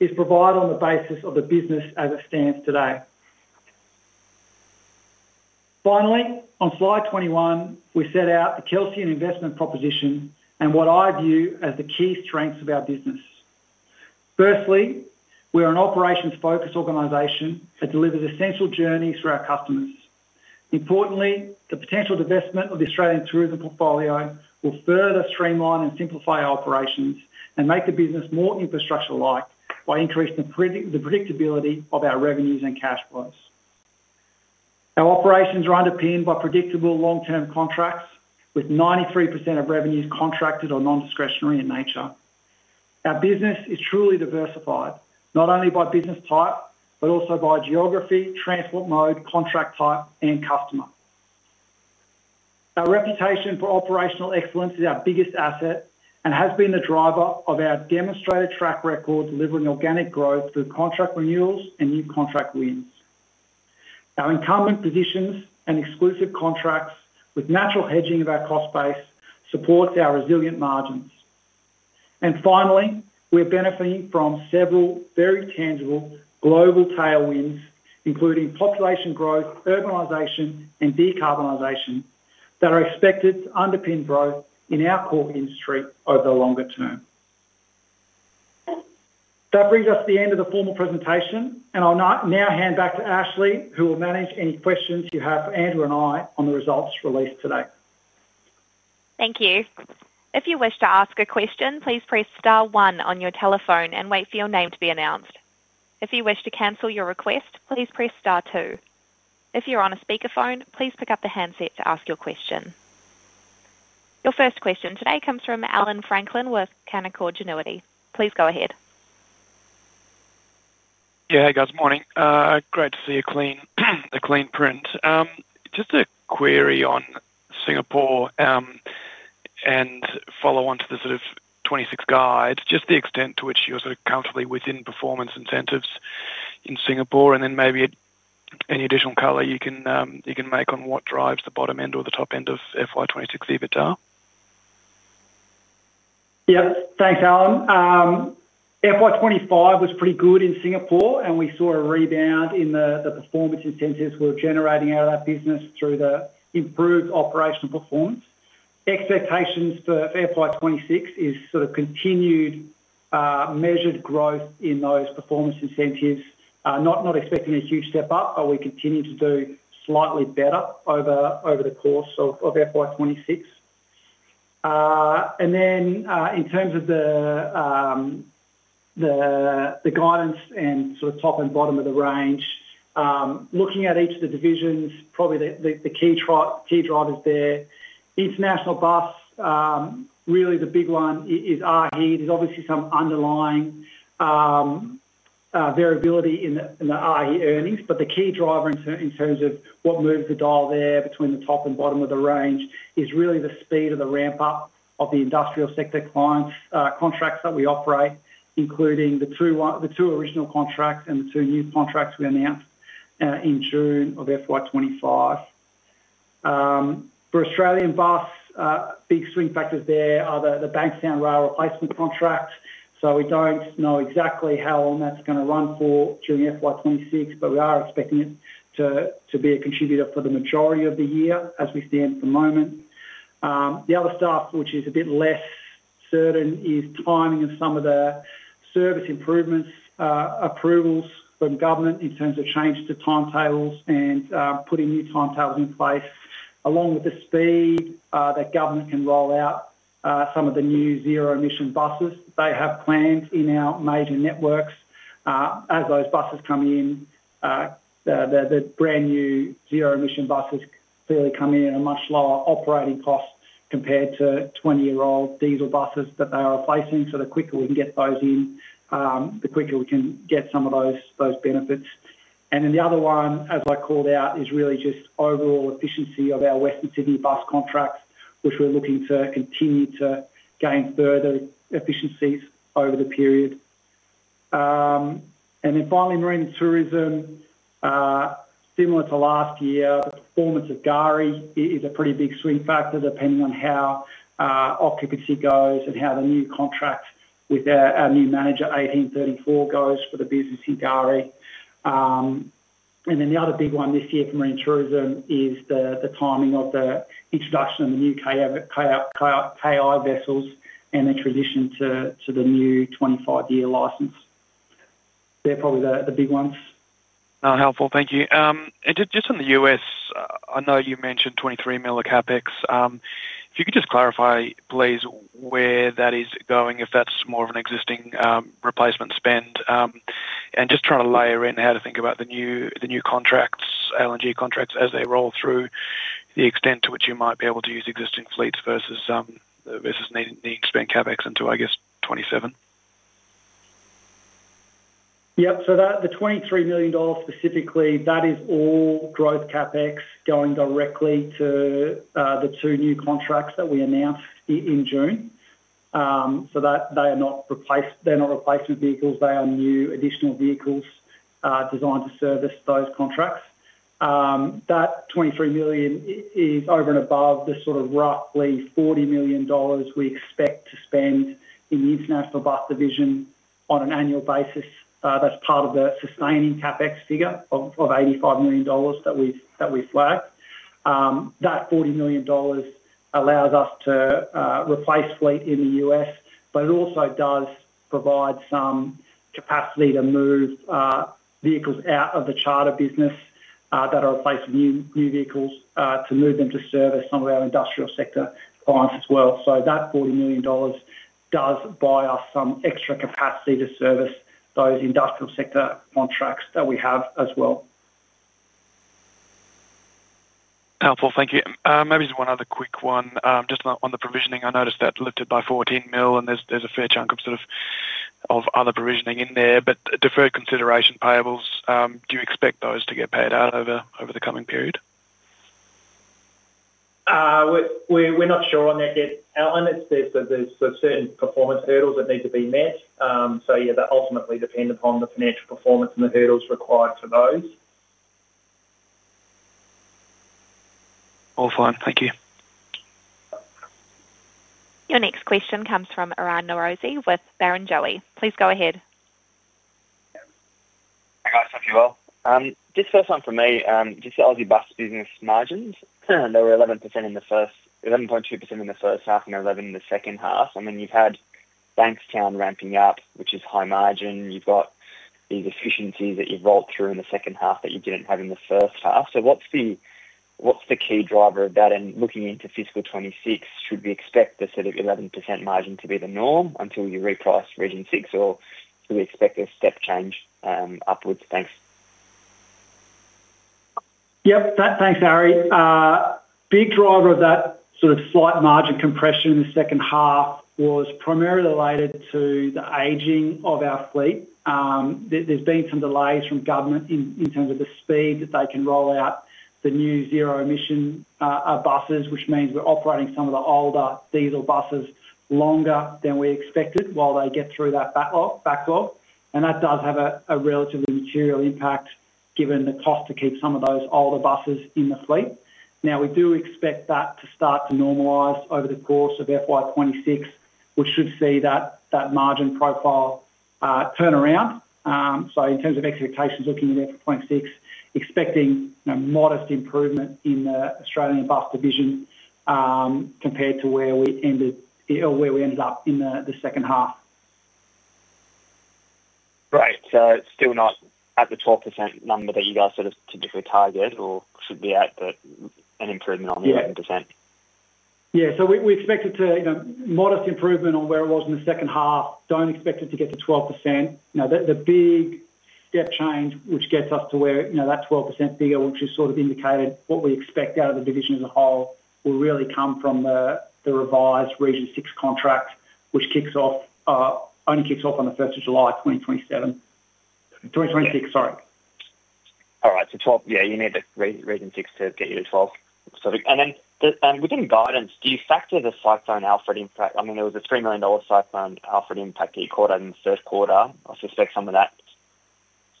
is provided on the basis of the business as it stands today. Finally, on slide 21, we set out a Kelsian investment proposition and what I view as the key strengths of our business. Firstly, we're an operations-focused organization that delivers essential journeys for our customers. Importantly, the potential divestment of the Australian tourism portfolio will further streamline and simplify our operations and make the business more infrastructure-like by increasing the predictability of our revenues and cash flows. Our operations are underpinned by predictable long-term contracts, with 93% of revenues contracted or non-discretionary in nature. Our business is truly diversified, not only by business type but also by geography, transport mode, contract type, and customer. Our reputation for operational excellence is our biggest asset and has been the driver of our demonstrated track record delivering organic growth through contract renewals and new contract wins. Our incumbent positions and exclusive contracts, with natural hedging of our cost base, support our resilient margins. Finally, we're benefiting from several very tangible global tailwinds, including population growth, urbanization, and decarbonization that are expected to underpin growth in our core industry over the longer term. That brings us to the end of the formal presentation, and I'll now hand back to Ashley, who will manage any questions you have for Andrew and I on the results released today. Thank you. If you wish to ask a question, please press star one on your telephone and wait for your name to be announced. If you wish to cancel your request, please press star two. If you're on a speakerphone, please pick up the handset to ask your question. Your first question today comes from Allan Franklin with Canaccord Genuity. Please go ahead. Yeah, hey, guys, morning. Great to see your clean print. Just a query on Singapore and follow on to the sort of 2026 guides, just the extent to which you're sort of comfortably within performance incentives in Singapore, and then maybe any additional color you can make on what drives the bottom end or the top end of FY2026 EBITDA? Yeah, thanks, Allan. FY25 was pretty good in Singapore, and we saw a rebound in the performance incentives we're generating out of that business through the improved operational performance. Expectations for FY26 is sort of continued measured growth in those performance incentives, not expecting a huge step up, but we continue to do slightly better over the course of FY26. In terms of the guidance and sort of top and bottom of the range, looking at each of the divisions, probably the key drivers there, international bus, really the big one is AHI. There's obviously some underlying variability in the AHI earnings, but the key driver in terms of what moves the dial there between the top and bottom of the range is really the speed of the ramp-up of the industrial sector clients' contracts that we operate, including the two original contracts and the two new contracts we announced in June of FY25. For Australian bus, big swing factors there are the Bankstown Rail Replacement service. We don't know exactly how long that's going to run for during FY26, but we are expecting it to be a contributor for the majority of the year as we stand at the moment. The other stuff, which is a bit less certain, is timing of some of the service improvements, approvals from government in terms of change to timetables and putting new timetables in place, along with the speed that government can roll out some of the new zero-emission buses they have planned in our major networks. As those buses come in, the brand new zero-emission buses clearly come in at a much lower operating cost compared to 20-year-old diesel buses that they are facing. The quicker we can get those in, the quicker we can get some of those benefits. The other one, as I called out, is really just overall efficiency of our Western Sydney bus contracts, which we're looking to continue to gain further efficiencies over the period. Finally, marine and tourism, similar to last year, the performance of Gari is a pretty big swing factor depending on how occupancy goes and how the new contract with our new manager, 1834, goes for the business in Gari. The other big one this year for marine tourism is the timing of the introduction of the new KI vessels and their transition to the new 25-year license. They're probably the big ones. Helpful, thank you. In the US, I know you mentioned $23 million CapEx. If you could just clarify, please, where that is going, if that's more of an existing replacement spend, and just trying to layer in how to think about the new contracts, LNG contracts as they roll through, the extent to which you might be able to use existing fleets versus needing to spend CapEx until, I guess, 2027? Yep, so the $23 million specifically, that is all growth CapEx going directly to the two new contracts that we announced in June. They are not replacement vehicles; they are new additional vehicles designed to service those contracts. That $23 million is over and above the sort of roughly $40 million we expect to spend in the international bus division on an annual basis. That's part of the sustaining CapEx figure of $85 million that we've flagged. That $40 million allows us to replace fleet in the U.S., but it also does provide some capacity to move vehicles out of the charter business that are replacing new vehicles to move them to service some of our industrial sector clients as well. That $40 million does buy us some extra capacity to service those industrial sector contracts that we have as well. Helpful, thank you. Maybe just one other quick one, just on the provisioning, I noticed that lifted by $14 million, and there's a fair chunk of sort of other provisioning in there, but deferred consideration payables, do you expect those to get paid out over the coming period? We're not sure on that yet. I know it's best that there's certain performance hurdles that need to be met. That ultimately depends upon the net performance and the hurdles required for those. All fine, thank you. Your next question comes from Aryan Norozi with Barrenjoey. Please go ahead. Hi, guys, hope you're well. Just first one for me, just the Aussie bus business margins, they were 11% in the first, 11.2% in the first half and 11% in the second half. You've had Bankstown ramping up, which is high margin. You've got these efficiencies that you've rolled through in the second half that you didn't have in the first half. What's the key driver of that? Looking into fiscal 2026, should we expect a sort of 11% margin to be the norm until you reprice Region 6, or do we expect a step change upwards? Thanks. Yep, thanks, Arya. Big driver of that sort of slight margin compression in the second half was primarily related to the aging of our fleet. There's been some delays from government in terms of the speed that they can roll out the new zero-emission buses, which means we're operating some of the older diesel buses longer than we expected while they get through that backlog. That does have a relatively material impact given the cost to keep some of those older buses in the fleet. We do expect that to start to normalize over the course of FY2026, which should see that margin profile turn around. In terms of expectations, looking at FY2026, expecting modest improvement in the Australian bus division compared to where we ended up in the second half. Right, so it's still not at the 12% number that you guys sort of typically target or should be at, but an improvement on the 11%. Yeah, we expect it to, you know, modest improvement on where it was in the second half. Don't expect it to get to 12%. The big step change, which gets us to where, you know, that 12% figure, which is sort of indicated what we expect out of the division as a whole, will really come from the revised Region 6 contract, which only kicks off on July 1, 2026. All right, so 12, yeah, you need the Region 6 contract to get you to 12. Perfect. Within guidance, do you factor the Cyclone Alfred impact? I mean, there was a $3 million Cyclone Alfred impact that you called out in the first quarter. I suspect some of that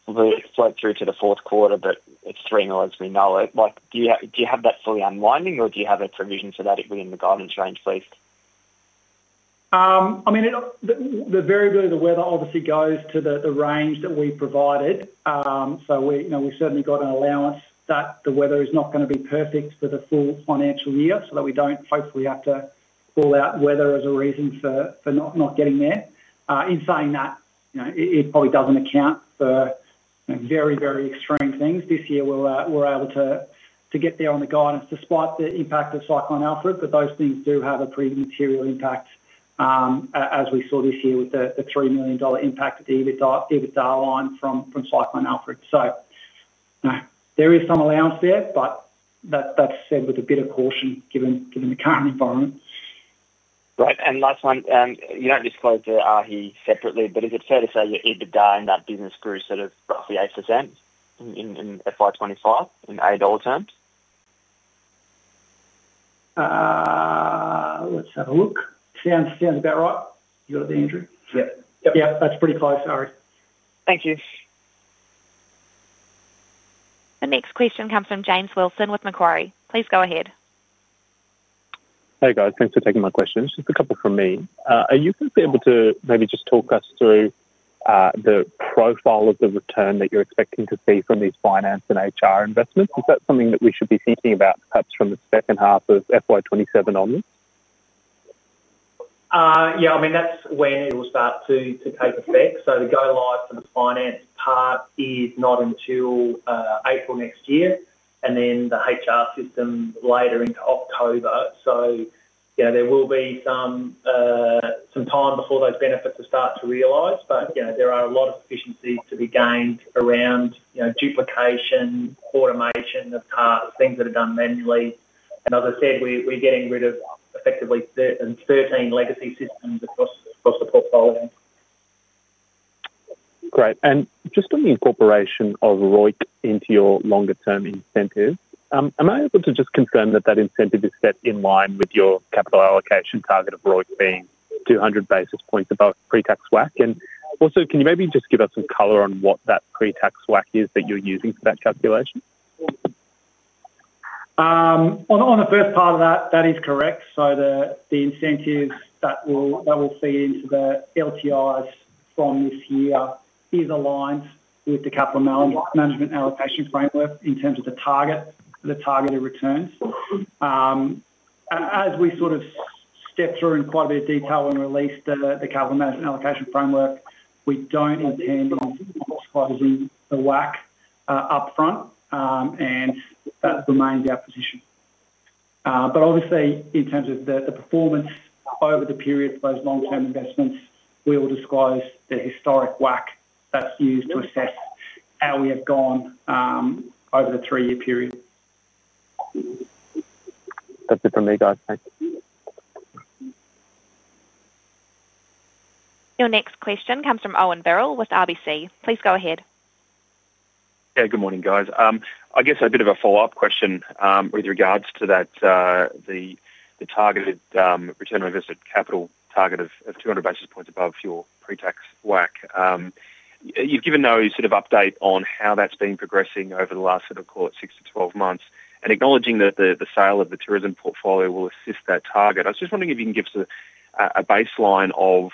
flowed through to the fourth quarter, but it's $3 million as we know it. Do you have that fully unwinding, or do you have a provision for that within the guidance range, please? I mean, the variability of the weather obviously goes to the range that we provided. We've certainly got an allowance that the weather is not going to be perfect for the full financial year, so that we don't hopefully have to call out weather as a reason for not getting there. In saying that, it probably doesn't account for very, very extreme things. This year, we're able to get there on the guidance despite the impact of Cyclone Alfred, but those things do have a pretty material impact, as we saw this year with the $3 million impact at the EBITDA line from Cyclone Alfred. There is some allowance there, but that's said with a bit of caution given the current environment. Right, and last one, you don't disclose AHI separately, but is it fair to say your EBITDA in that business grew sort of roughly 8% in FY25 in AUD terms? Let's have a look. Sounds about right. That's pretty close, Arya. Thank you. The next question comes from James Wilson with Macquarie. Please go ahead. Hey, guys, thanks for taking my questions. Just a couple from me. Are you going to be able to maybe just talk us through the profile of the return that you're expecting to see from these finance and HR investments? Is that something that we should be thinking about perhaps from the second half of FY2027 onwards? Yeah, I mean, that's when it'll start to take effect. The go-live for the finance part is not until April next year, and the HR system later into October. There will be some time before those benefits will start to realize, but you know, there are a lot of efficiencies to be gained around duplication, automation of parts, things that are done manually. As I said, we're getting rid of effectively 13 legacy systems across the portfolio. Great, just on the incorporation of ROIT into your longer-term incentives, am I able to just confirm that that incentive is set in line with your capital allocation target of ROIT being 200 basis points above pre-tax WACC? Also, can you maybe just give us some color on what that pre-tax WACC is that you're using for that calculation? On the first part of that, that is correct. The incentives that we'll see into the LTIs from this year are aligned with the capital management allocation framework in terms of the target of the targeted returns. As we sort of stepped through in quite a bit of detail when we released the capital management allocation framework, we don't intend to be disclosing the WACC upfront, and that remains our position. Obviously, in terms of the performance over the period for those long-term investments, we will disclose the historic WACC that's used to assess how we have gone over the three-year period. That's it from me, guys. Thanks. Your next question comes from Owen Birrell with RBC. Please go ahead. Good morning, guys. I guess a bit of a follow-up question with regards to the targeted return versus that capital target of 200 basis points above your pre-tax WACC. You've given no sort of update on how that's been progressing over the last, call it, 6 to 12 months, and acknowledging that the sale of the tourism portfolio will assist that target. I was just wondering if you can give us a baseline of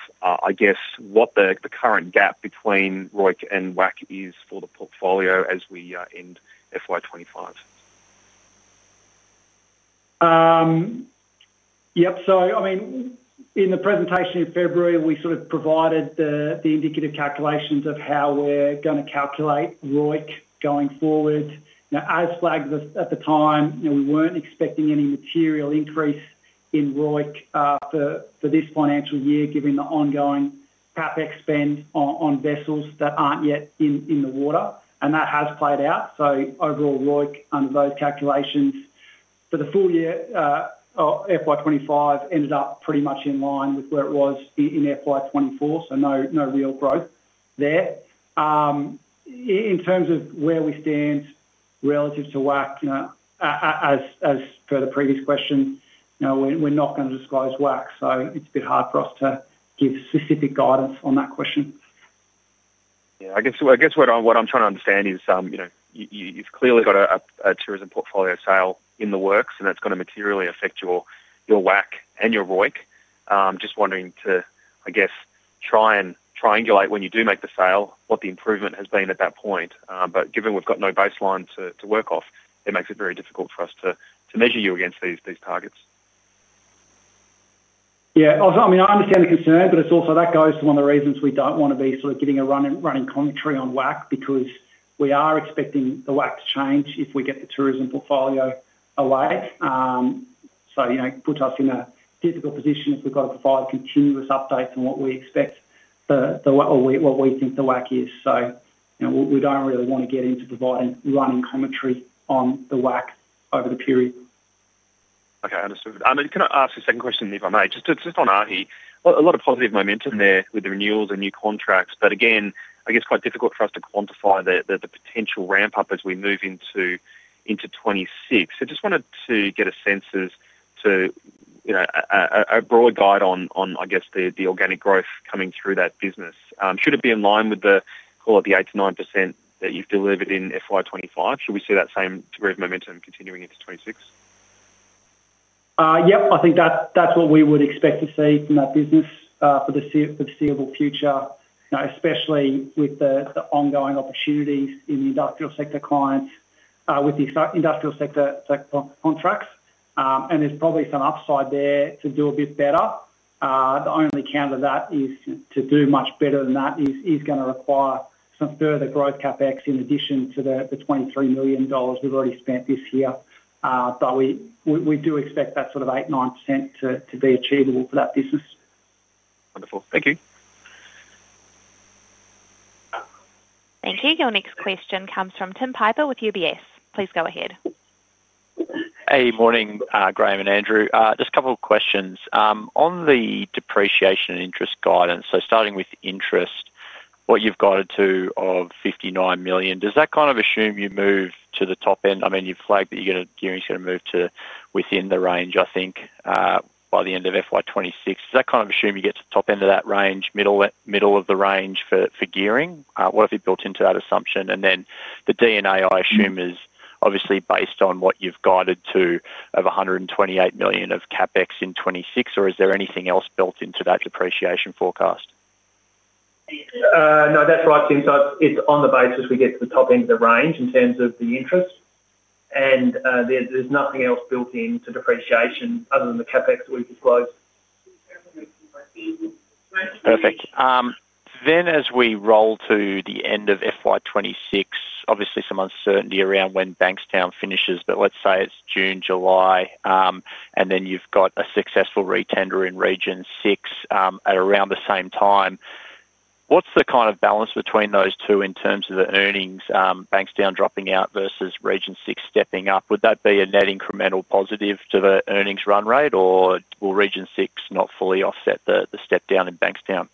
what the current gap between ROIC and WACC is for the portfolio as we end FY2025? Yep, so I mean, in the presentation in February, we sort of provided the indicative calculations of how we're going to calculate ROIC going forward. Now, as flagged at the time, you know, we weren't expecting any material increase in ROIC for this financial year, given the ongoing Capex spend on vessels that aren't yet in the water, and that has played out. Overall, ROIC under those calculations for the full year of FY2025 ended up pretty much in line with where it was in FY2024, so no real growth there. In terms of where we stand relative to WACC, as per the previous questions, you know, we're not going to disclose WACC, so it's a bit hard for us to give specific guidance on that question. Yeah, I guess what I'm trying to understand is, you know, you've clearly got a tourism portfolio sale in the works, and that's going to materially affect your WACC and your ROIC. I'm just wondering to, I guess, try and triangulate when you do make the sale, what the improvement has been at that point. Given we've got no baseline to work off, it makes it very difficult for us to measure you against these targets. I understand the concern, but it also goes to one of the reasons we don't want to be sort of getting a running commentary on WACC because we are expecting the WACC to change if we get the tourism portfolio away. It puts us in a difficult position if we've got to provide continuous updates on what we expect or what we think the WACC is. We don't really want to get into providing running commentary on the WACC over the period. Okay, understood. Can I ask a second question, if I may? Just on AHI, a lot of positive momentum there with the renewals and new contracts, but again, I guess quite difficult for us to quantify the potential ramp-up as we move into 2026. I just wanted to get a sense as to, you know, a broad guide on, I guess, the organic growth coming through that business. Should it be in line with all of the 8 to 9% that you've delivered in FY2025? Should we see that same degree of momentum continuing into 2026? Yep, I think that's what we would expect to see from that business for the foreseeable future, especially with the ongoing opportunities in the industrial sector clients with the industrial sector contracts. There's probably some upside there to do a bit better. The only counter to that is to do much better than that is going to require some further growth Capex in addition to the $23 million we've already spent this year. We do expect that sort of 8%-9% to be achievable for that business. Wonderful, thank you. Thank you. Your next question comes from Tim Piper with UBS. Please go ahead. Hey, good morning, Graeme and Andrew. Just a couple of questions. On the depreciation and interest guidance, on the interest, what you've got it to of $59 million, does that kind of assume you move to the top end? You've flagged that you're going to move to within the range, I think, by the end of FY2026. Does that kind of assume you get to the top end of that range, middle of the range for gearing? What have you built into that assumption? The D&A, I assume, is obviously based on what you've guided to of $128 million of CAPEX in 2026, or is there anything else built into that depreciation forecast? No, that's right, Tim. It's on the basis we get to the top end of the range in terms of the interest, and there's nothing else built into depreciation other than the CAPEX that we've disclosed. Perfect. As we roll to the end of FY2026, obviously some uncertainty around when Bankstown finishes, but let's say it's June or July, and then you've got a successful re-tender in Region 6 at around the same time. What's the kind of balance between those two in terms of the earnings, Bankstown dropping out versus Region 6 stepping up? Would that be a net incremental positive to the earnings run rate, or will Region 6 not fully offset the step down in Bankstown?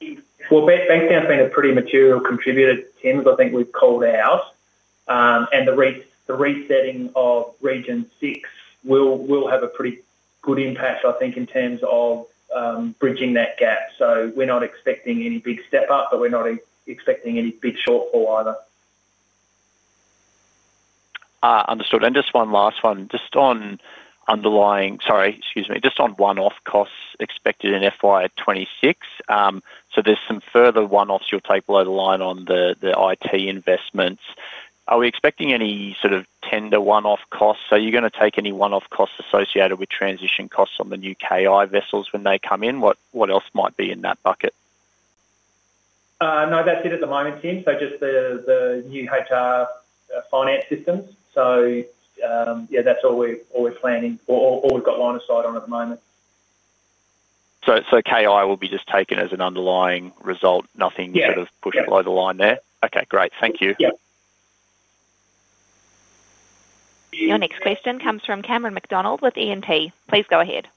Bankstown's been a pretty material contributor to TIMS, I think we've called out, and the resetting of Region 6 will have a pretty good impact, I think, in terms of bridging that gap. We're not expecting any big step up, but we're not expecting any big shortfall either. Understood. Just on underlying, just on one-off costs expected in FY2026. There are some further one-offs you'll take below the line on the IT investments. Are we expecting any sort of tender one-off costs? Are you going to take any one-off costs associated with transition costs on the new Kangaroo Island vessels when they come in? What else might be in that bucket? No, that's it at the moment, Tim. Just the new HR finance systems. That's all we're planning or we've got line of sight on at the moment. KI will be just taken as an underlying result, nothing sort of pushed below the line there? Yep. Okay, great. Thank you. Yep. Your next question comes from Cameron McDonald with E&T. Please go ahead.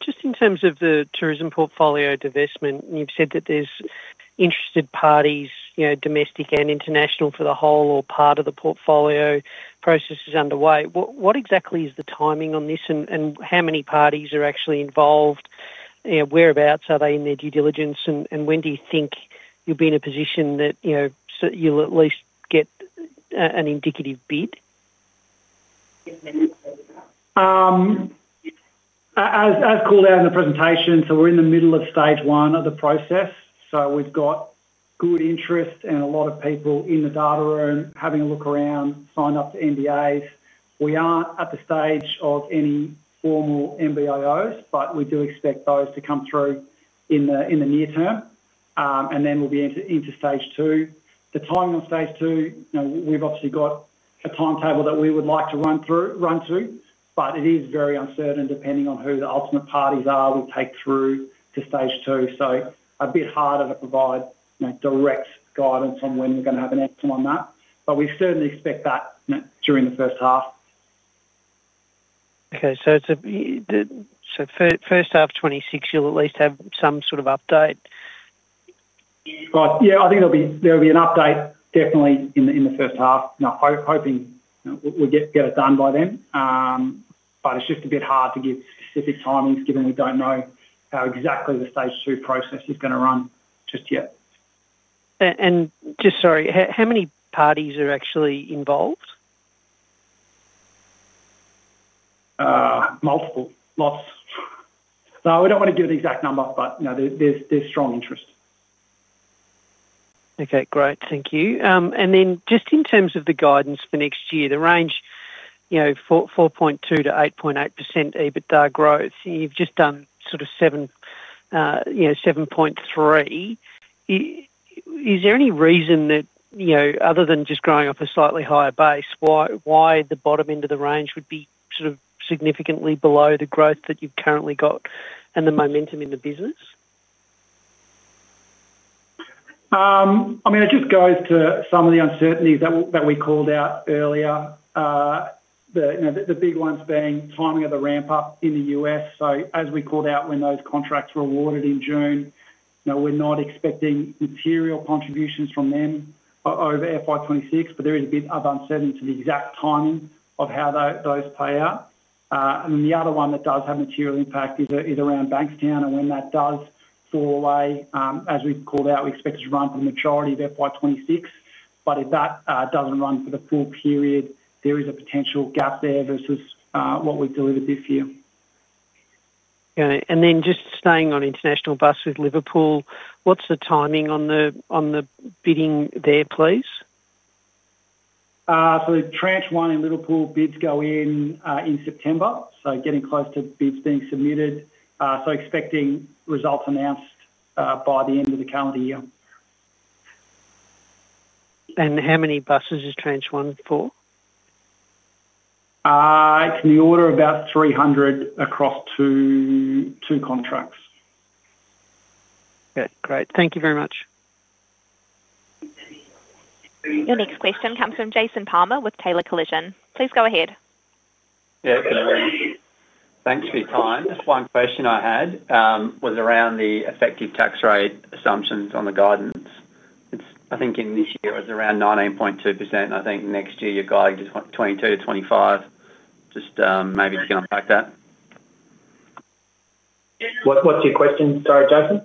Just in terms of the tourism portfolio divestment, you've said that there's interested parties, you know, domestic and international for the whole or part of the portfolio. Process is underway. What exactly is the timing on this and how many parties are actually involved? You know, whereabouts are they in their due diligence and when do you think you'll be in a position that, you know, you'll at least get an indicative bid? As called out in the presentation, we're in the middle of stage one of the process. We've got good interest and a lot of people in the data room having a look around, signed up to NDAs. We aren't at the stage of any formal MBOs, but we do expect those to come through in the near term, and then we'll be into stage two. The timing on stage two, we've obviously got a timetable that we would like to run through, but it is very uncertain depending on who the ultimate parties are that will take through to stage two. It's a bit harder to provide direct guidance on when we're going to have an outcome on that, but we certainly expect that during the first half. Okay, so first half of 2026, you'll at least have some sort of update? Right, yeah, I think there'll be an update definitely in the first half. I'm hoping we'll get it done by then. It's just a bit hard to give specific timings, given we don't know how exactly the stage two process is going to run just yet. Sorry, how many parties are actually involved? Multiple. Lots. We don't want to give an exact number, but you know there's strong interest. Okay, great. Thank you. In terms of the guidance for next year, the range, you know, 4.2%-8.8% EBITDA growth, you've just done sort of 7.3%. Is there any reason that, you know, other than just growing off a slightly higher base, why the bottom end of the range would be significantly below the growth that you've currently got and the momentum in the business? I mean, it just goes to some of the uncertainty that we called out earlier. The big ones being timing of the ramp-up in the U.S. As we called out, when those contracts were awarded in June, you know, we're not expecting material contributions from them over FY2026, but there is a bit of uncertainty to the exact timing of how those pay out. The other one that does have material impact is around Bankstown and when that does fall away. As we've called out, we expect it to run for the majority of FY2026, but if that doesn't run for the full period, there is a potential gap there versus what was delivered this year. Got it. Just staying on international bus with Liverpool, what's the timing on the bidding there, please? For the Tranche 1 in Liverpool, bids go in in September, getting close to bids being submitted. Expecting results announced by the end of the calendar year. How many buses is Tranche 1 for? It can be ordered about 300 across two contracts. Okay, great. Thank you very much. Your next question comes from Jason Palmer with Taylor Collision. Please go ahead. Yeah, thanks for your time. One question I had was around the effective tax rate assumptions on the guidance. I think in this year it was around 19.2%. I think next year you're guiding just 22%-25%. Just maybe you can unpack that. What's your question? Sorry, Jason.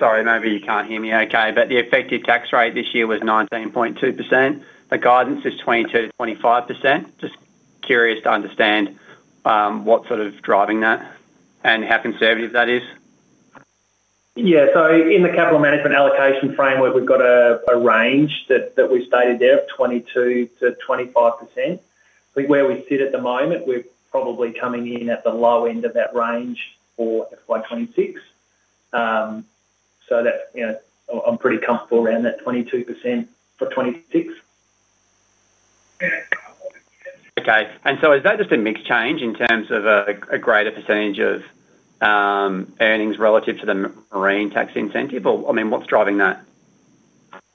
Sorry, maybe you can't hear me okay, but the effective tax rate this year was 19.2%. The guidance is 22%-25%. Just curious to understand what's sort of driving that and how conservative that is. Yeah, so in the capital management allocation framework, we've got a range that we stated there of 22%-25%. I think where we sit at the moment, we're probably coming in at the low end of that range for FY2026. I'm pretty comfortable around that 22% for 2026. Okay. Is that just a mixed change in terms of a greater % of earnings relative to the marine tax incentive? I mean, what's driving that?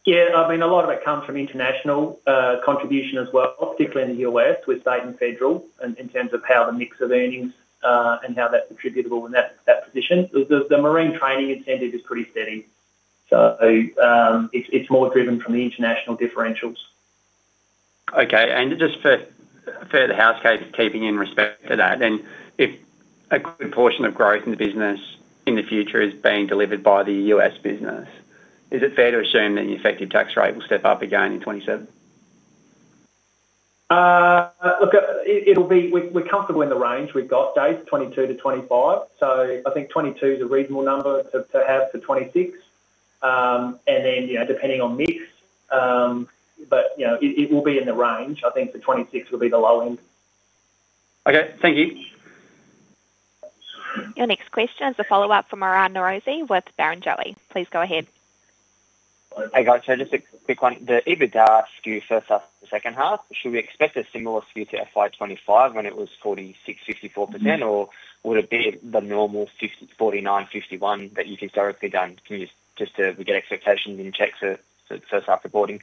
Yeah, I mean, a lot of it comes from international contribution as well, particularly in the U.S. with state and federal in terms of how the mix of earnings and how that's attributable in that position. The marine training incentive is pretty steady. It's more driven from the international differentials. Okay. Just for the housekeeping in respect to that, if a good portion of growth in the business in the future is being delivered by the U.S. business, is it fair to assume that the effective tax rate will step up again in 2027? It'll be, we're comfortable in the range we've got, Dave, 22% to 25%. I think 22% is a reasonable number to have for 2026, and then, depending on mix, it will be in the range. I think for 26%, it would be the low end. Okay, thank you. Your next question is a follow-up from Aryan Norozi with Barrenjoey. Please go ahead. Hey guys, just a quick one. The EBITDA split first up the second half, should we expect a similar split to FY2025 when it was 46%, 54%, or would it be the normal 49%, 51% that you think is directly done? Can you just get expectations in check for first half reporting?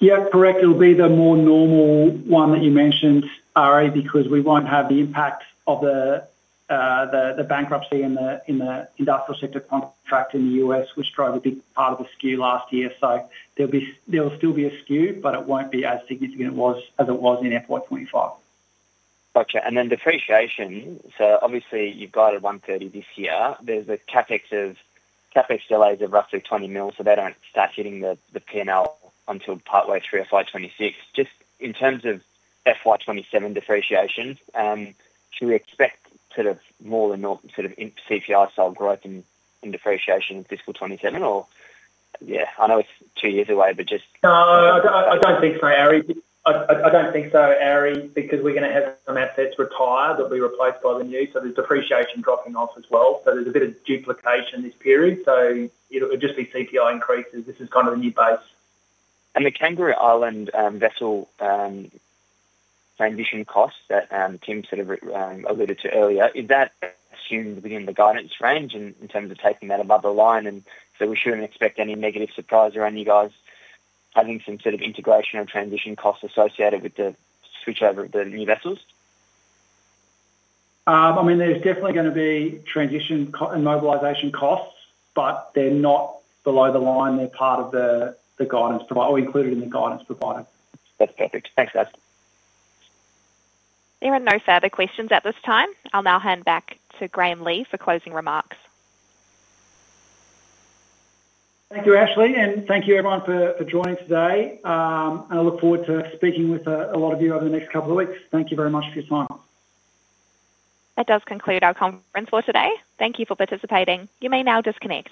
Yeah, correct. It'll be the more normal one that you mentioned, Ari, because we won't have the impact of the bankruptcy in the industrial sector contract in the U.S., which drove a big part of the skew last year. There'll still be a skew, but it won't be as significant as it was in FY2025. Okay. Depreciation, so obviously you've got $130 million this year. The CapEx delay is roughly $20 million, so they don't start hitting the P&L until partway through FY2026. Just in terms of FY2027 depreciation, do we expect more than CPI-style growth in depreciation in fiscal 2027? I know it's two years away, but just. No, I don't think so, Arya. I don't think so, Arya, because we're going to have some assets retire. They'll be replaced by the new. There's depreciation dropping off as well. There's a bit of duplication this period. It'll just be CPI increases. This is kind of the new base. The Kangaroo Island vessel transition costs that Tim sort of alluded to earlier, is that assumed within the guidance range in terms of taking that above the line? We shouldn't expect any negative surprise around you guys having some sort of integration of transition costs associated with the switchover of the new vessels? I mean, there's definitely going to be transition and mobilization costs, but they're not below the line. They're part of the guidance provided or included in the guidance provided. That's perfect. Thanks, Andrew. Anyone? No further questions at this time. I'll now hand back to Graeme Legh for closing remarks. Thank you, Ashley, and thank you everyone for joining today. I look forward to speaking with a lot of you over the next couple of weeks. Thank you very much for your time. That does conclude our conference for today. Thank you for participating. You may now disconnect.